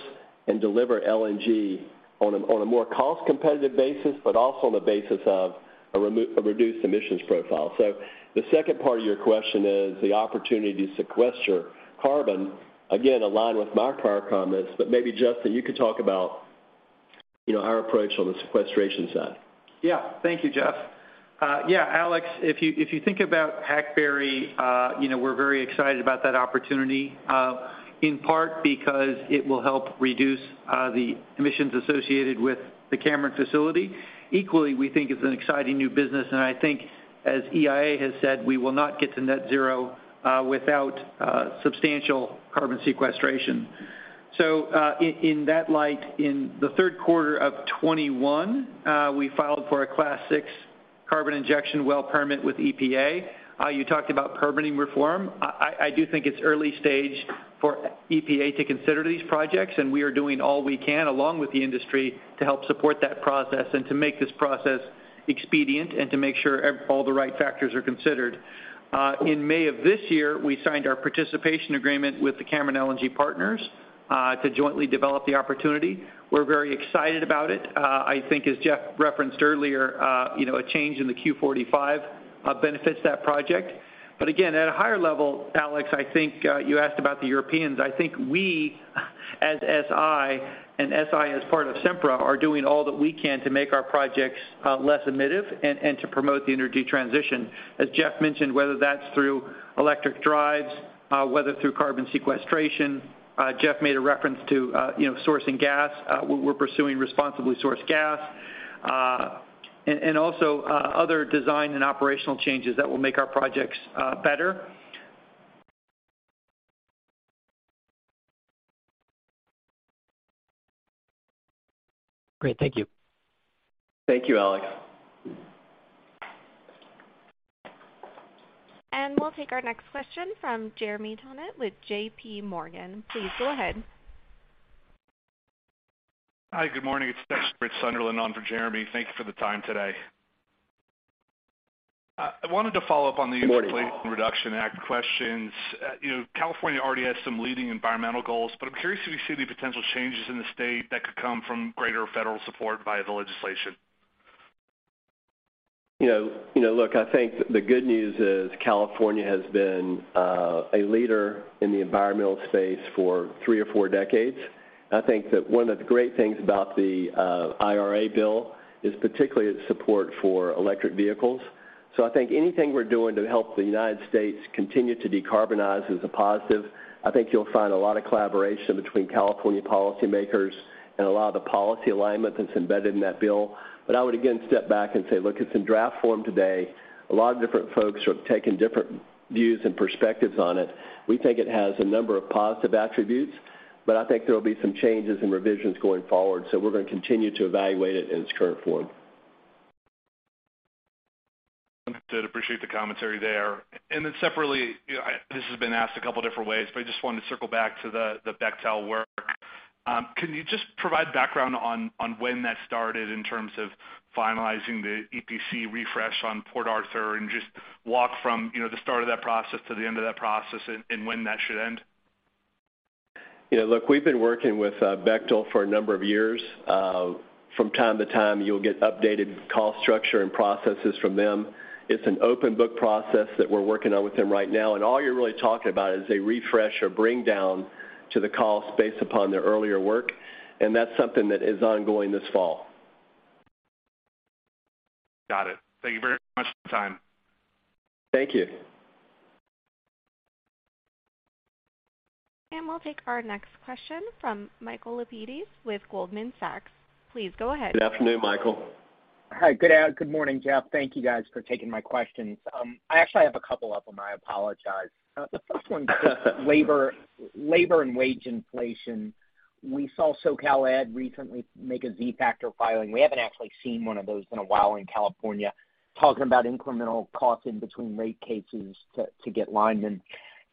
and deliver LNG on a, on a more cost-competitive basis, but also on the basis of a reduced emissions profile. The second part of your question is the opportunity to sequester carbon, again, aligned with my prior comments. Maybe, Justin, you could talk about, you know, our approach on the sequestration side. Yeah. Thank you, Jeff. Yeah, Alex, if you think about Hackberry, you know, we're very excited about that opportunity, in part because it will help reduce the emissions associated with the Cameron facility. Equally, we think it's an exciting new business, and I think, as EIA has said, we will not get to net zero without substantial carbon sequestration. In that light, in the third quarter of 2021, we filed for a Class VI carbon injection well permit with EPA. You talked about permitting reform. I do think it's early stage for EPA to consider these projects, and we are doing all we can, along with the industry, to help support that process and to make this process expedient and to make sure all the right factors are considered. In May of this year, we signed our participation agreement with the Cameron LNG partners to jointly develop the opportunity. We're very excited about it. I think as Jeff referenced earlier, you know, a change in the 45Q benefits that project. Again, at a higher level, Alex, I think you asked about the Europeans. I think we as SI, and SI as part of Sempra, are doing all that we can to make our projects less emissive and to promote the energy transition. As Jeff mentioned, whether that's through electric drives, whether through carbon sequestration. Jeff made a reference to, you know, sourcing gas. We're pursuing responsibly sourced gas. Also, other design and operational changes that will make our projects better. Great. Thank you. Thank you, Alex. We'll take our next question from Jeremy Tonet with JPMorgan. Please go ahead. Hi. Good morning. It's actually Rich Sunderland on for Jeremy. Thank you for the time today. I wanted to follow up on the Inflation Reduction Act questions. You know, California already has some leading environmental goals, but I'm curious if you see any potential changes in the state that could come from greater federal support via the legislation? You know, look, I think the good news is California has been a leader in the environmental space for three or four decades. I think that one of the great things about the IRA bill is particularly its support for electric vehicles. I think anything we're doing to help the United States continue to decarbonize is a positive. I think you'll find a lot of collaboration between California policymakers and a lot of the policy alignment that's embedded in that bill. I would again step back and say, look, it's in draft form today. A lot of different folks are taking different views and perspectives on it. We think it has a number of positive attributes, but I think there will be some changes and revisions going forward. We're gonna continue to evaluate it in its current form. Understood. Appreciate the commentary there. Separately, you know, this has been asked a couple different ways, but I just wanted to circle back to the Bechtel work. Can you just provide background on when that started in terms of finalizing the EPC refresh on Port Arthur and just walk from, you know, the start of that process to the end of that process and when that should end? You know, look, we've been working with Bechtel for a number of years. From time to time, you'll get updated cost structure and processes from them. It's an open book process that we're working on with them right now, and all you're really talking about is a refresh or bring down to the calls based upon their earlier work, and that's something that is ongoing this fall. Got it. Thank you very much for the time. Thank you. We'll take our next question from Michael Lapides with Goldman Sachs. Please go ahead. Good afternoon, Michael. Hi. Good morning, Jeff. Thank you guys for taking my questions. I actually have a couple of them. I apologize. The first one's labor and wage inflation. We saw SoCal and recently make a Z-factor filing. We haven't actually seen one of those in a while in California, talking about incremental costs in between rate cases to get linemen.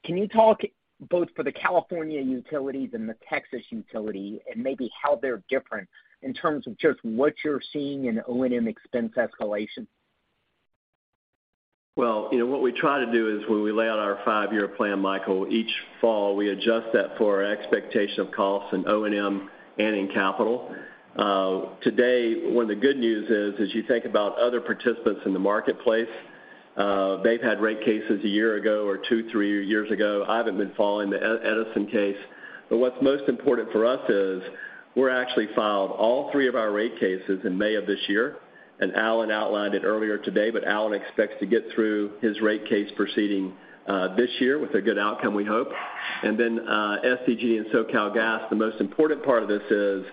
Can you talk both for the California utilities and the Texas utility and maybe how they're different in terms of just what you're seeing in O&M expense escalation? Well, you know, what we try to do is when we lay out our five-year plan, Michael, each fall, we adjust that for our expectation of costs in O&M and in capital. Today, one of the good news is, as you think about other participants in the marketplace, they've had rate cases a year ago or two, three years ago. I haven't been following the Edison case. What's most important for us is we're actually filed all three of our rate cases in May of this year, and Alan outlined it earlier today, but Alan expects to get through his rate case proceeding, this year with a good outcome, we hope. SCG and SoCalGas, the most important part of this is,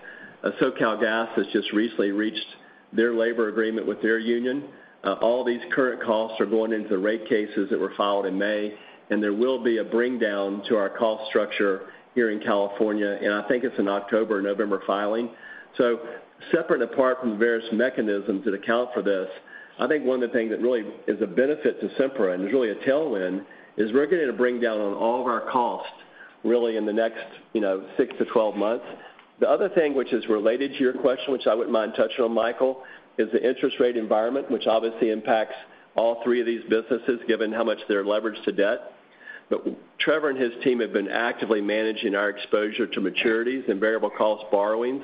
SoCalGas has just recently reached their labor agreement with their union. All these current costs are going into the rate cases that were filed in May, and there will be a bring down to our cost structure here in California, and I think it's an October or November filing. Separate and apart from the various mechanisms that account for this, I think one of the things that really is a benefit to Sempra, and there's really a tailwind, is we're gonna bring down on all of our costs really in the next, you know, 6-12 months. The other thing which is related to your question, which I wouldn't mind touching on, Michael, is the interest rate environment, which obviously impacts all three of these businesses, given how much they're leveraged to debt. But Trevor and his team have been actively managing our exposure to maturities and variable cost borrowings.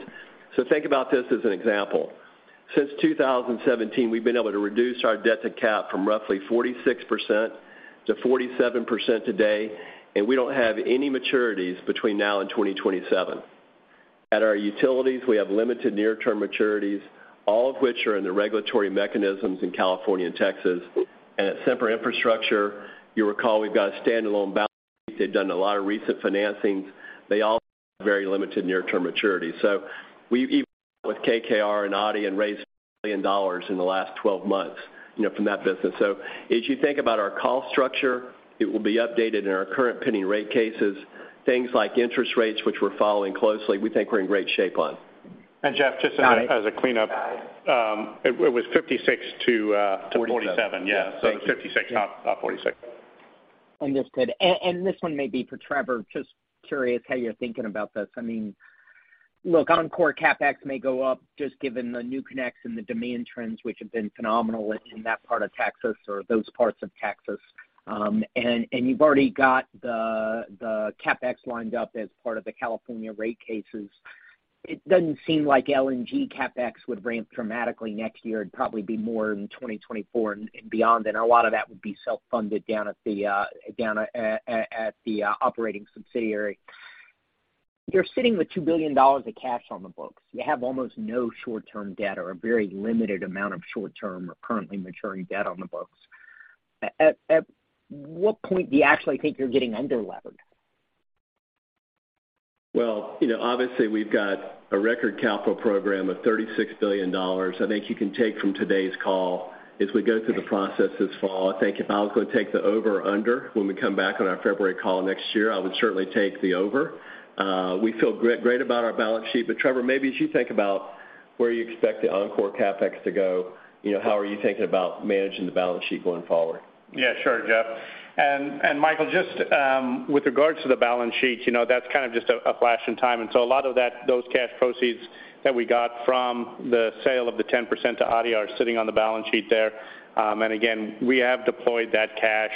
Think about this as an example. Since 2017, we've been able to reduce our debt-to-cap from roughly 46%-47% today, and we don't have any maturities between now and 2027. At our utilities, we have limited near-term maturities, all of which are in the regulatory mechanisms in California and Texas. At Sempra Infrastructure, you recall we've got a standalone balance sheet. They've done a lot of recent financings. They all have very limited near-term maturity. We even with KKR and ADIA and raised $1 billion in the last 12 months, you know, from that business. As you think about our capital structure, it will be updated in our current pending rate cases. Things like interest rates, which we're following closely, we think we're in great shape on. Jeff, just as a cleanup. It was 56 to 47. 47. Yeah. 56, not 46. Understood. This one may be for Trevor, just curious how you're thinking about this. I mean, look, Oncor CapEx may go up just given the new connects and the demand trends, which have been phenomenal in that part of Texas or those parts of Texas. You've already got the CapEx lined up as part of the California rate cases. It doesn't seem like LNG CapEx would ramp dramatically next year. It'd probably be more in 2024 and beyond, and a lot of that would be self-funded down at the operating subsidiary. You're sitting with $2 billion of cash on the books. You have almost no short-term debt or a very limited amount of short-term or currently maturing debt on the books. What point do you actually think you're getting under-levered? Well, you know, obviously we've got a record capital program of $36 billion. I think you can take from today's call as we go through the process this fall. I think if I was gonna take the over or under when we come back on our February call next year, I would certainly take the over. We feel great about our balance sheet, but Trevor, maybe as you think about where you expect the Oncor CapEx to go, you know, how are you thinking about managing the balance sheet going forward? Yeah, sure, Jeff. Michael, just with regards to the balance sheet, you know, that's kind of just a flash in time. A lot of that, those cash proceeds that we got from the sale of the 10% to ADIA are sitting on the balance sheet there. Again, we have deployed that cash,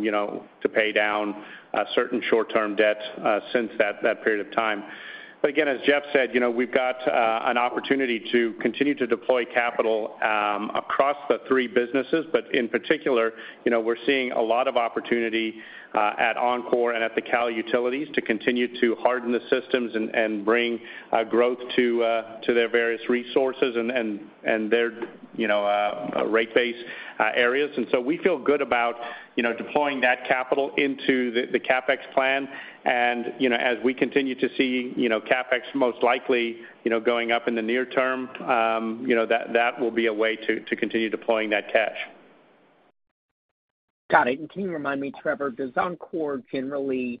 you know, to pay down certain short-term debts since that period of time. Again, as Jeff said, you know, we've got an opportunity to continue to deploy capital across the three businesses. In particular, you know, we're seeing a lot of opportunity at Oncor and at the California utilities to continue to harden the systems and bring growth to their various resources and their rate base areas. We feel good about, you know, deploying that capital into the CapEx plan. You know, as we continue to see, you know, CapEx most likely, you know, going up in the near term, you know, that will be a way to continue deploying that cash. Got it. Can you remind me, Trevor, does Oncor generally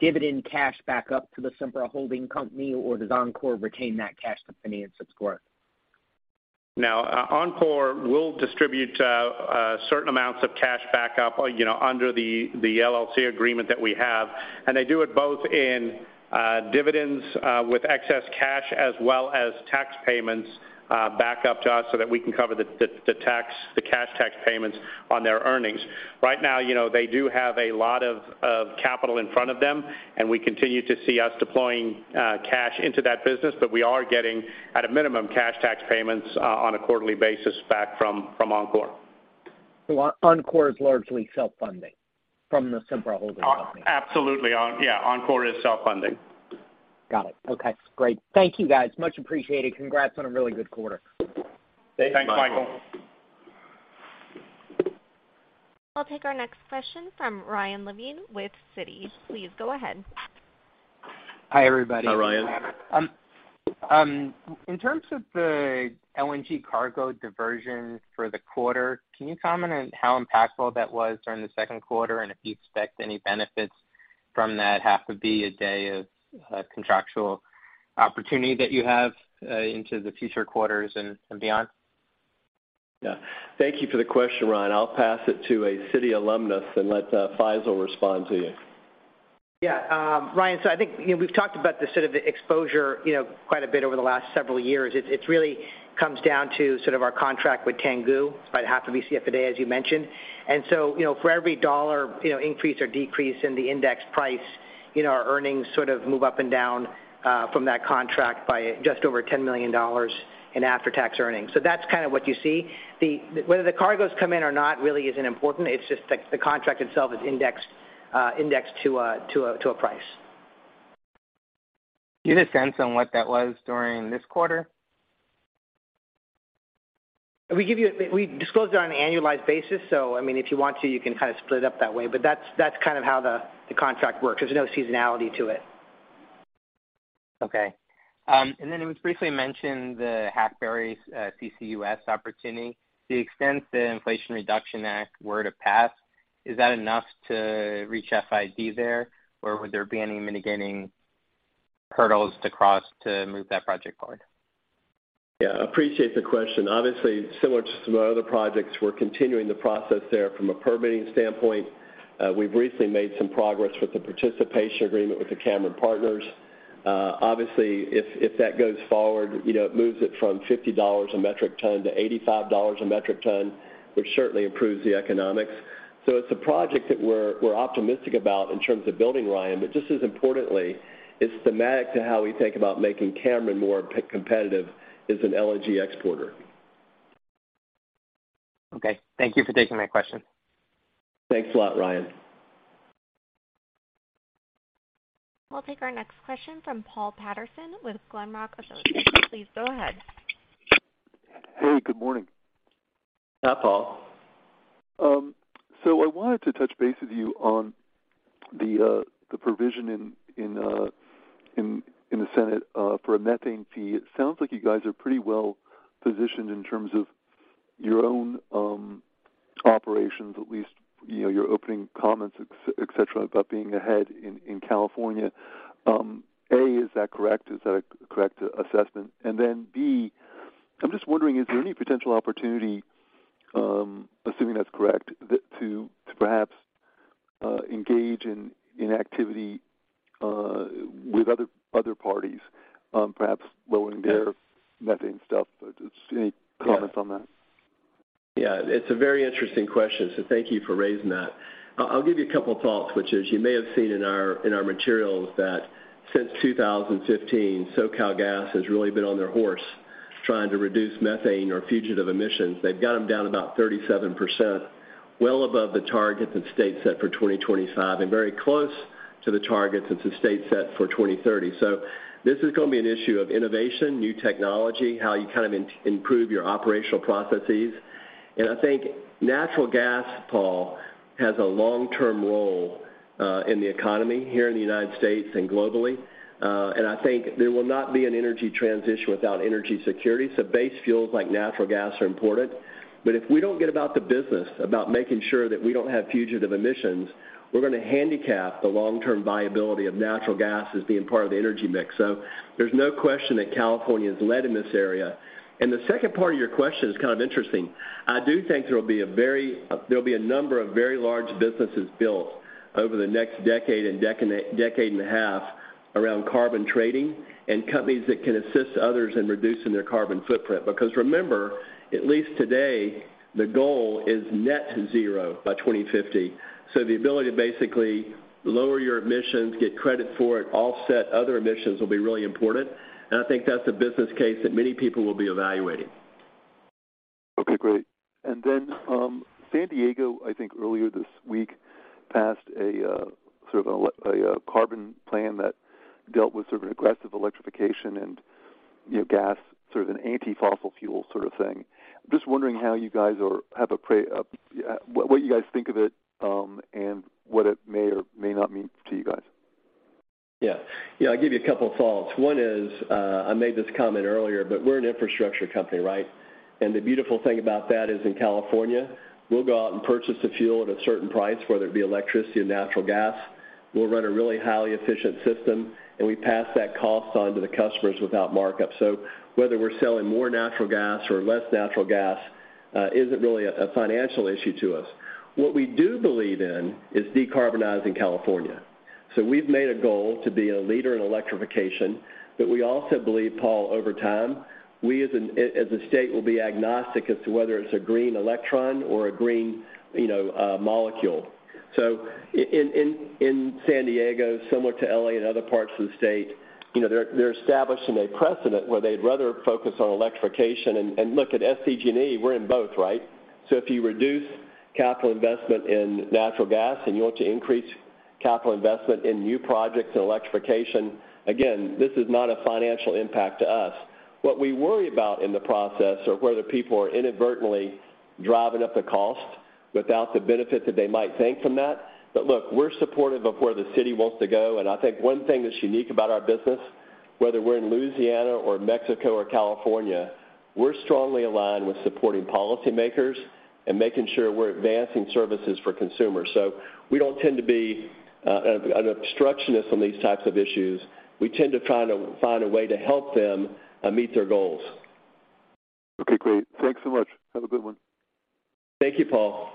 dividend cash back up to the Sempra holding company, or does Oncor retain that cash to finance its growth? Now, Oncor will distribute certain amounts of cash back up, you know, under the LLC agreement that we have. They do it both in dividends with excess cash as well as tax payments back up to us so that we can cover the cash tax payments on their earnings. Right now, you know, they do have a lot of capital in front of them, and we continue to see us deploying cash into that business. We are getting, at a minimum, cash tax payments on a quarterly basis back from Oncor. Oncor is largely self-funding from the Sempra holding company? Absolutely. Yeah, Oncor is self-funding. Got it. Okay, great. Thank you, guys. Much appreciated. Congrats on a really good quarter. Thanks, Michael. I'll take our next question from Ryan Levine with Citi. Please go ahead. Hi, everybody. Hi, Ryan. In terms of the LNG cargo diversion for the quarter, can you comment on how impactful that was during the second quarter, and if you expect any benefits from that half a B a day of contractual opportunity that you have into the future quarters and beyond? Yeah. Thank you for the question, Ryan. I'll pass it to a Citi alumnus and let Faisel respond to you. Yeah. Ryan, I think, you know, we've talked about the sort of exposure, you know, quite a bit over the last several years. It really comes down to sort of our contract with Tangguh by half a a day, as you mentioned. You know, for every dollar, you know, increase or decrease in the index price, you know, our earnings sort of move up and down from that contract by just over $10 million in after-tax earnings. That's kind of what you see. Whether the cargoes come in or not really isn't important. It's just the contract itself is indexed to a price. Do you have a sense on what that was during this quarter? We disclose it on an annualized basis, so, I mean, if you want to, you can kind of split it up that way. That's kind of how the contract works. There's no seasonality to it. It was briefly mentioned the Hackberry CCUS opportunity. To the extent the Inflation Reduction Act were to pass, is that enough to reach FID there, or would there be any mitigating hurdles to cross to move that project forward? Yeah, appreciate the question. Obviously, similar to some of our other projects, we're continuing the process there from a permitting standpoint. We've recently made some progress with the participation agreement with the Cameron partners. Obviously, if that goes forward, you know, it moves it from $50 a metric ton to $85 a metric ton, which certainly improves the economics. It's a project that we're optimistic about in terms of building, Ryan, but just as importantly, it's thematic to how we think about making Cameron more competitive as an LNG exporter. Okay. Thank you for taking my question. Thanks a lot, Ryan. We'll take our next question from Paul Patterson with Glenrock Associates. Please go ahead. Hey, good morning. Hi, Paul. I wanted to touch base with you on the provision in the Senate for a methane fee. It sounds like you guys are pretty well-positioned in terms of your own operations, at least, you know, your opening comments, et cetera, about being ahead in California. A, is that correct? Is that a correct assessment? Then, B, I'm just wondering, is there any potential opportunity, assuming that's correct, to perhaps engage in activity with other parties, perhaps lowering their methane stuff? Just any comments on that? It's a very interesting question, so thank you for raising that. I'll give you a couple thoughts, which is you may have seen in our materials that since 2015, SoCalGas has really been on their horse trying to reduce methane or fugitive emissions. They've got them down about 37%, well above the targets that state set for 2025, and very close to the targets that the state set for 2030. This is gonna be an issue of innovation, new technology, how you kind of improve your operational processes. I think natural gas, Paul, has a long-term role in the economy here in the United States and globally. I think there will not be an energy transition without energy security. Base fuels like natural gas are important. If we don't get about the business about making sure that we don't have fugitive emissions, we're gonna handicap the long-term viability of natural gas as being part of the energy mix. There's no question that California has led in this area. The second part of your question is kind of interesting. I do think there'll be a number of very large businesses built over the next decade and a half around carbon trading and companies that can assist others in reducing their carbon footprint. Because remember, at least today, the goal is net zero by 2050. The ability to basically lower your emissions, get credit for it, offset other emissions will be really important. I think that's a business case that many people will be evaluating. Okay, great. San Diego, I think earlier this week, passed a carbon plan that dealt with sort of aggressive electrification and, you know, gas, sort of an anti-fossil fuel sort of thing. I'm just wondering what you guys think of it, and what it may or may not mean to you guys. Yeah, I'll give you a couple thoughts. One is, I made this comment earlier, but we're an infrastructure company, right? The beautiful thing about that is in California, we'll go out and purchase the fuel at a certain price, whether it be electricity or natural gas. We'll run a really highly efficient system, and we pass that cost on to the customers without markup. Whether we're selling more natural gas or less natural gas, isn't really a financial issue to us. What we do believe in is decarbonizing California. We've made a goal to be a leader in electrification. We also believe, Paul, over time, we as a state will be agnostic as to whether it's a green electron or a green molecule. In San Diego, similar to L.A. and other parts of the state, they're establishing a precedent where they'd rather focus on electrification. Look at SDG&E, we're in both, right? If you reduce capital investment in natural gas and you want to increase capital investment in new projects and electrification, again, this is not a financial impact to us. What we worry about in the process are whether people are inadvertently driving up the cost without the benefit that they might think from that. Look, we're supportive of where the city wants to go, and I think one thing that's unique about our business, whether we're in Louisiana or Mexico or California, we're strongly aligned with supporting policymakers and making sure we're advancing services for consumers. We don't tend to be an obstructionist on these types of issues. We tend to try to find a way to help them meet their goals. Okay, great. Thanks so much. Have a good one. Thank you, Paul.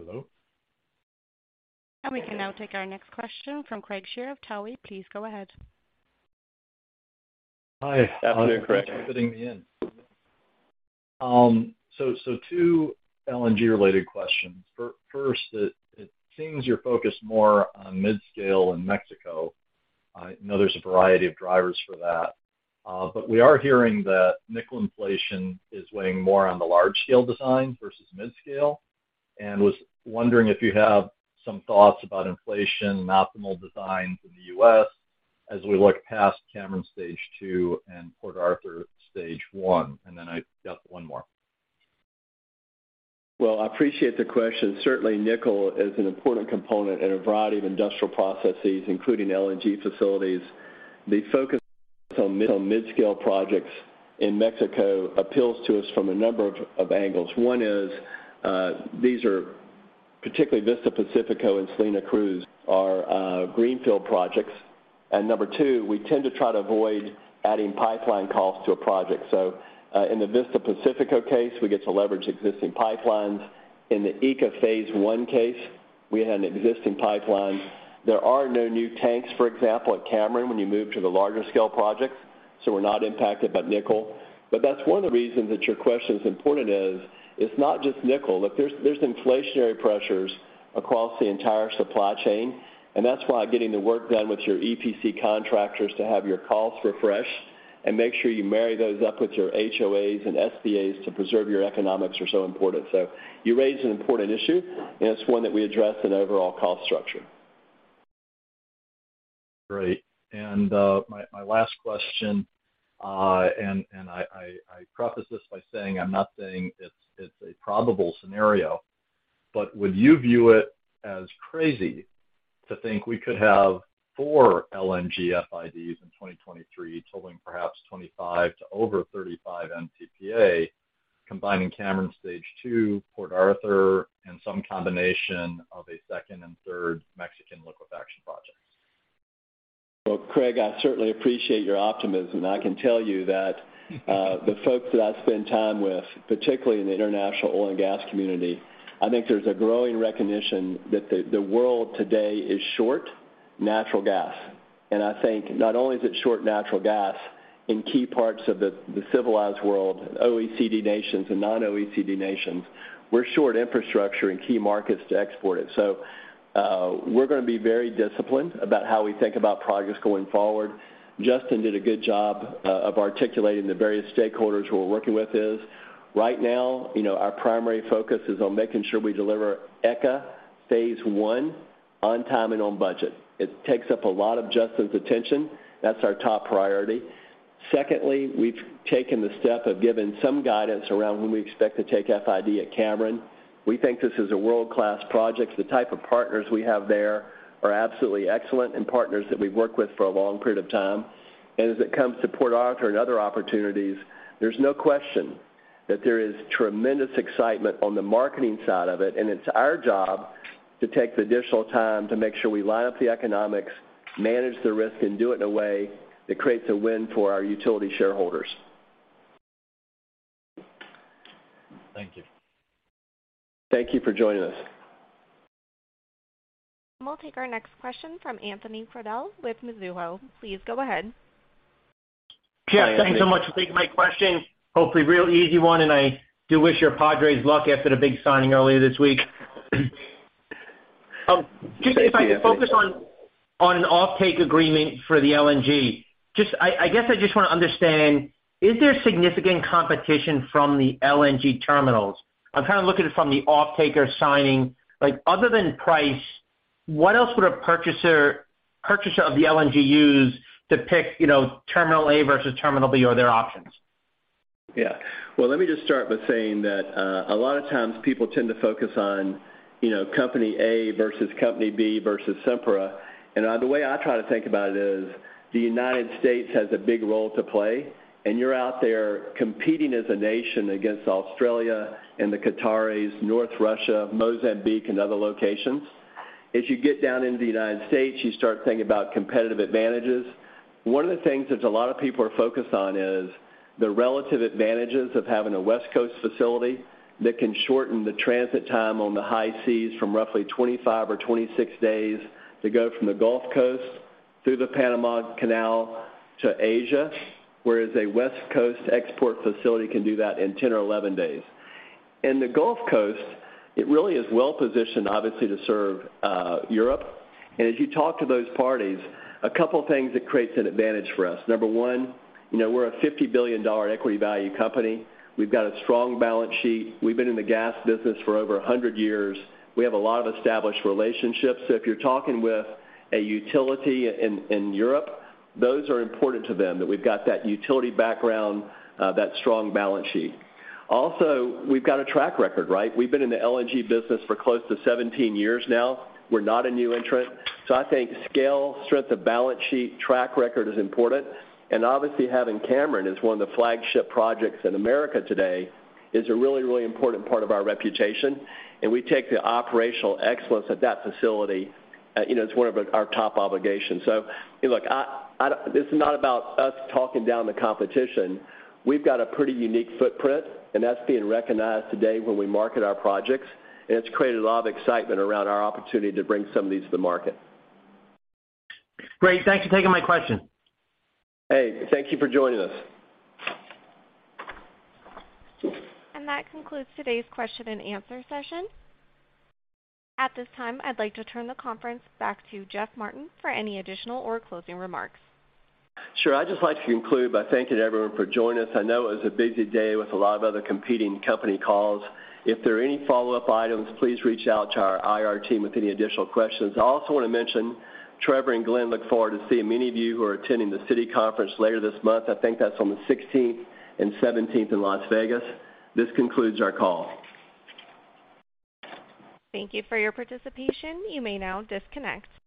Hello? We can now take our next question from Craig Shere of Tuohy. Please go ahead. Hi. Afternoon, Craig. Thanks for fitting me in. So two LNG-related questions. First, it seems you're focused more on mid-scale in Mexico. I know there's a variety of drivers for that. But we are hearing that nickel inflation is weighing more on the large-scale design versus mid-scale. Was wondering if you have some thoughts about inflation and optimal designs in the U.S. as we look past Cameron stage two and Port Arthur stage one. Then I've got one more. Well, I appreciate the question. Certainly, nickel is an important component in a variety of industrial processes, including LNG facilities. The focus on mid-scale projects in Mexico appeals to us from a number of angles. One is these are particularly Vista Pacífico and Salina Cruz greenfield projects. Number two, we tend to try to avoid adding pipeline costs to a project. In the Vista Pacífico case, we get to leverage existing pipelines. In the ECA Phase 1 case, we had an existing pipeline. There are no new tanks, for example, at Cameron when you move to the larger scale projects, so we're not impacted by nickel. That's one of the reasons that your question is important, it's not just nickel. Like there's inflationary pressures across the entire supply chain, and that's why getting the work done with your EPC contractors to have your costs refreshed and make sure you marry those up with your HOAs and SBAs to preserve your economics are so important. You raised an important issue, and it's one that we address in overall cost structure. Great. My last question, and I preface this by saying, I'm not saying it's a probable scenario. Would you view it as crazy to think we could have 4 LNG FIDs in 2023 totaling perhaps 25 to over 35 MTPA, combining Cameron stage two, Port Arthur, and some combination of a second and third Mexican liquefaction projects? Well, Craig, I certainly appreciate your optimism. I can tell you that, the folks that I spend time with, particularly in the international oil and gas community, I think there's a growing recognition that the world today is short natural gas. I think not only is it short natural gas in key parts of the civilized world, OECD nations and non-OECD nations, we're short infrastructure in key markets to export it. We're gonna be very disciplined about how we think about progress going forward. Justin did a good job of articulating the various stakeholders who we're working with. Right now, you know, our primary focus is on making sure we deliver ECA Phase 1 on time and on budget. It takes up a lot of Justin's attention. That's our top priority. Secondly, we've taken the step of giving some guidance around when we expect to take FID at Cameron. We think this is a world-class project. The type of partners we have there are absolutely excellent and partners that we've worked with for a long period of time. As it comes to Port Arthur and other opportunities, there's no question that there is tremendous excitement on the marketing side of it, and it's our job to take the additional time to make sure we line up the economics, manage the risk, and do it in a way that creates a win for our utility shareholders. Thank you. Thank you for joining us. We'll take our next question from Anthony Crowdell with Mizuho. Please go ahead. Yeah, thanks so much for taking my question. Hopefully, real easy one, and I do wish your Padres luck after the big signing earlier this week. Just if I could focus on an offtake agreement for the LNG. Just I guess I just wanna understand, is there significant competition from the LNG terminals? I'm kind of looking at it from the offtaker signing. Like, other than price? What else would a purchaser of the LNG use to pick, you know, terminal A versus terminal B or other options? Yeah. Well, let me just start by saying that a lot of times people tend to focus on, you know, company A versus company B versus Sempra. The way I try to think about it is the United States has a big role to play, and you're out there competing as a nation against Australia and the Qatari, North Russia, Mozambique, and other locations. As you get down into the United States, you start thinking about competitive advantages. One of the things that a lot of people are focused on is the relative advantages of having a West Coast facility that can shorten the transit time on the high seas from roughly 25 or 26 days to go from the Gulf Coast through the Panama Canal to Asia, whereas a West Coast export facility can do that in 10 or 11 days. In the Gulf Coast, it really is well positioned, obviously, to serve Europe. As you talk to those parties, a couple things that creates an advantage for us. Number one, you know, we're a $50 billion equity value company. We've got a strong balance sheet. We've been in the gas business for over 100 years. We have a lot of established relationships. If you're talking with a utility in Europe, those are important to them, that we've got that utility background, that strong balance sheet. Also, we've got a track record, right? We've been in the LNG business for close to 17 years now. We're not a new entrant. I think scale, strength of balance sheet, track record is important. Obviously, having Cameron as one of the flagship projects in America today is a really, really important part of our reputation, and we take the operational excellence at that facility, you know, as one of our top obligations. Hey, look, this is not about us talking down the competition. We've got a pretty unique footprint, and that's being recognized today when we market our projects, and it's created a lot of excitement around our opportunity to bring some of these to the market. Great. Thanks for taking my question. Hey, thank you for joining us. That concludes today's question and answer session. At this time, I'd like to turn the conference back to Jeff Martin for any additional or closing remarks. Sure. I'd just like to conclude by thanking everyone for joining us. I know it was a busy day with a lot of other competing company calls. If there are any follow-up items, please reach out to our IR team with any additional questions. I also wanna mention, Trevor and Glen look forward to seeing many of you who are attending the Citi conference later this month. I think that's on the 16th and 17th in Las Vegas. This concludes our call. Thank you for your participation. You may now disconnect.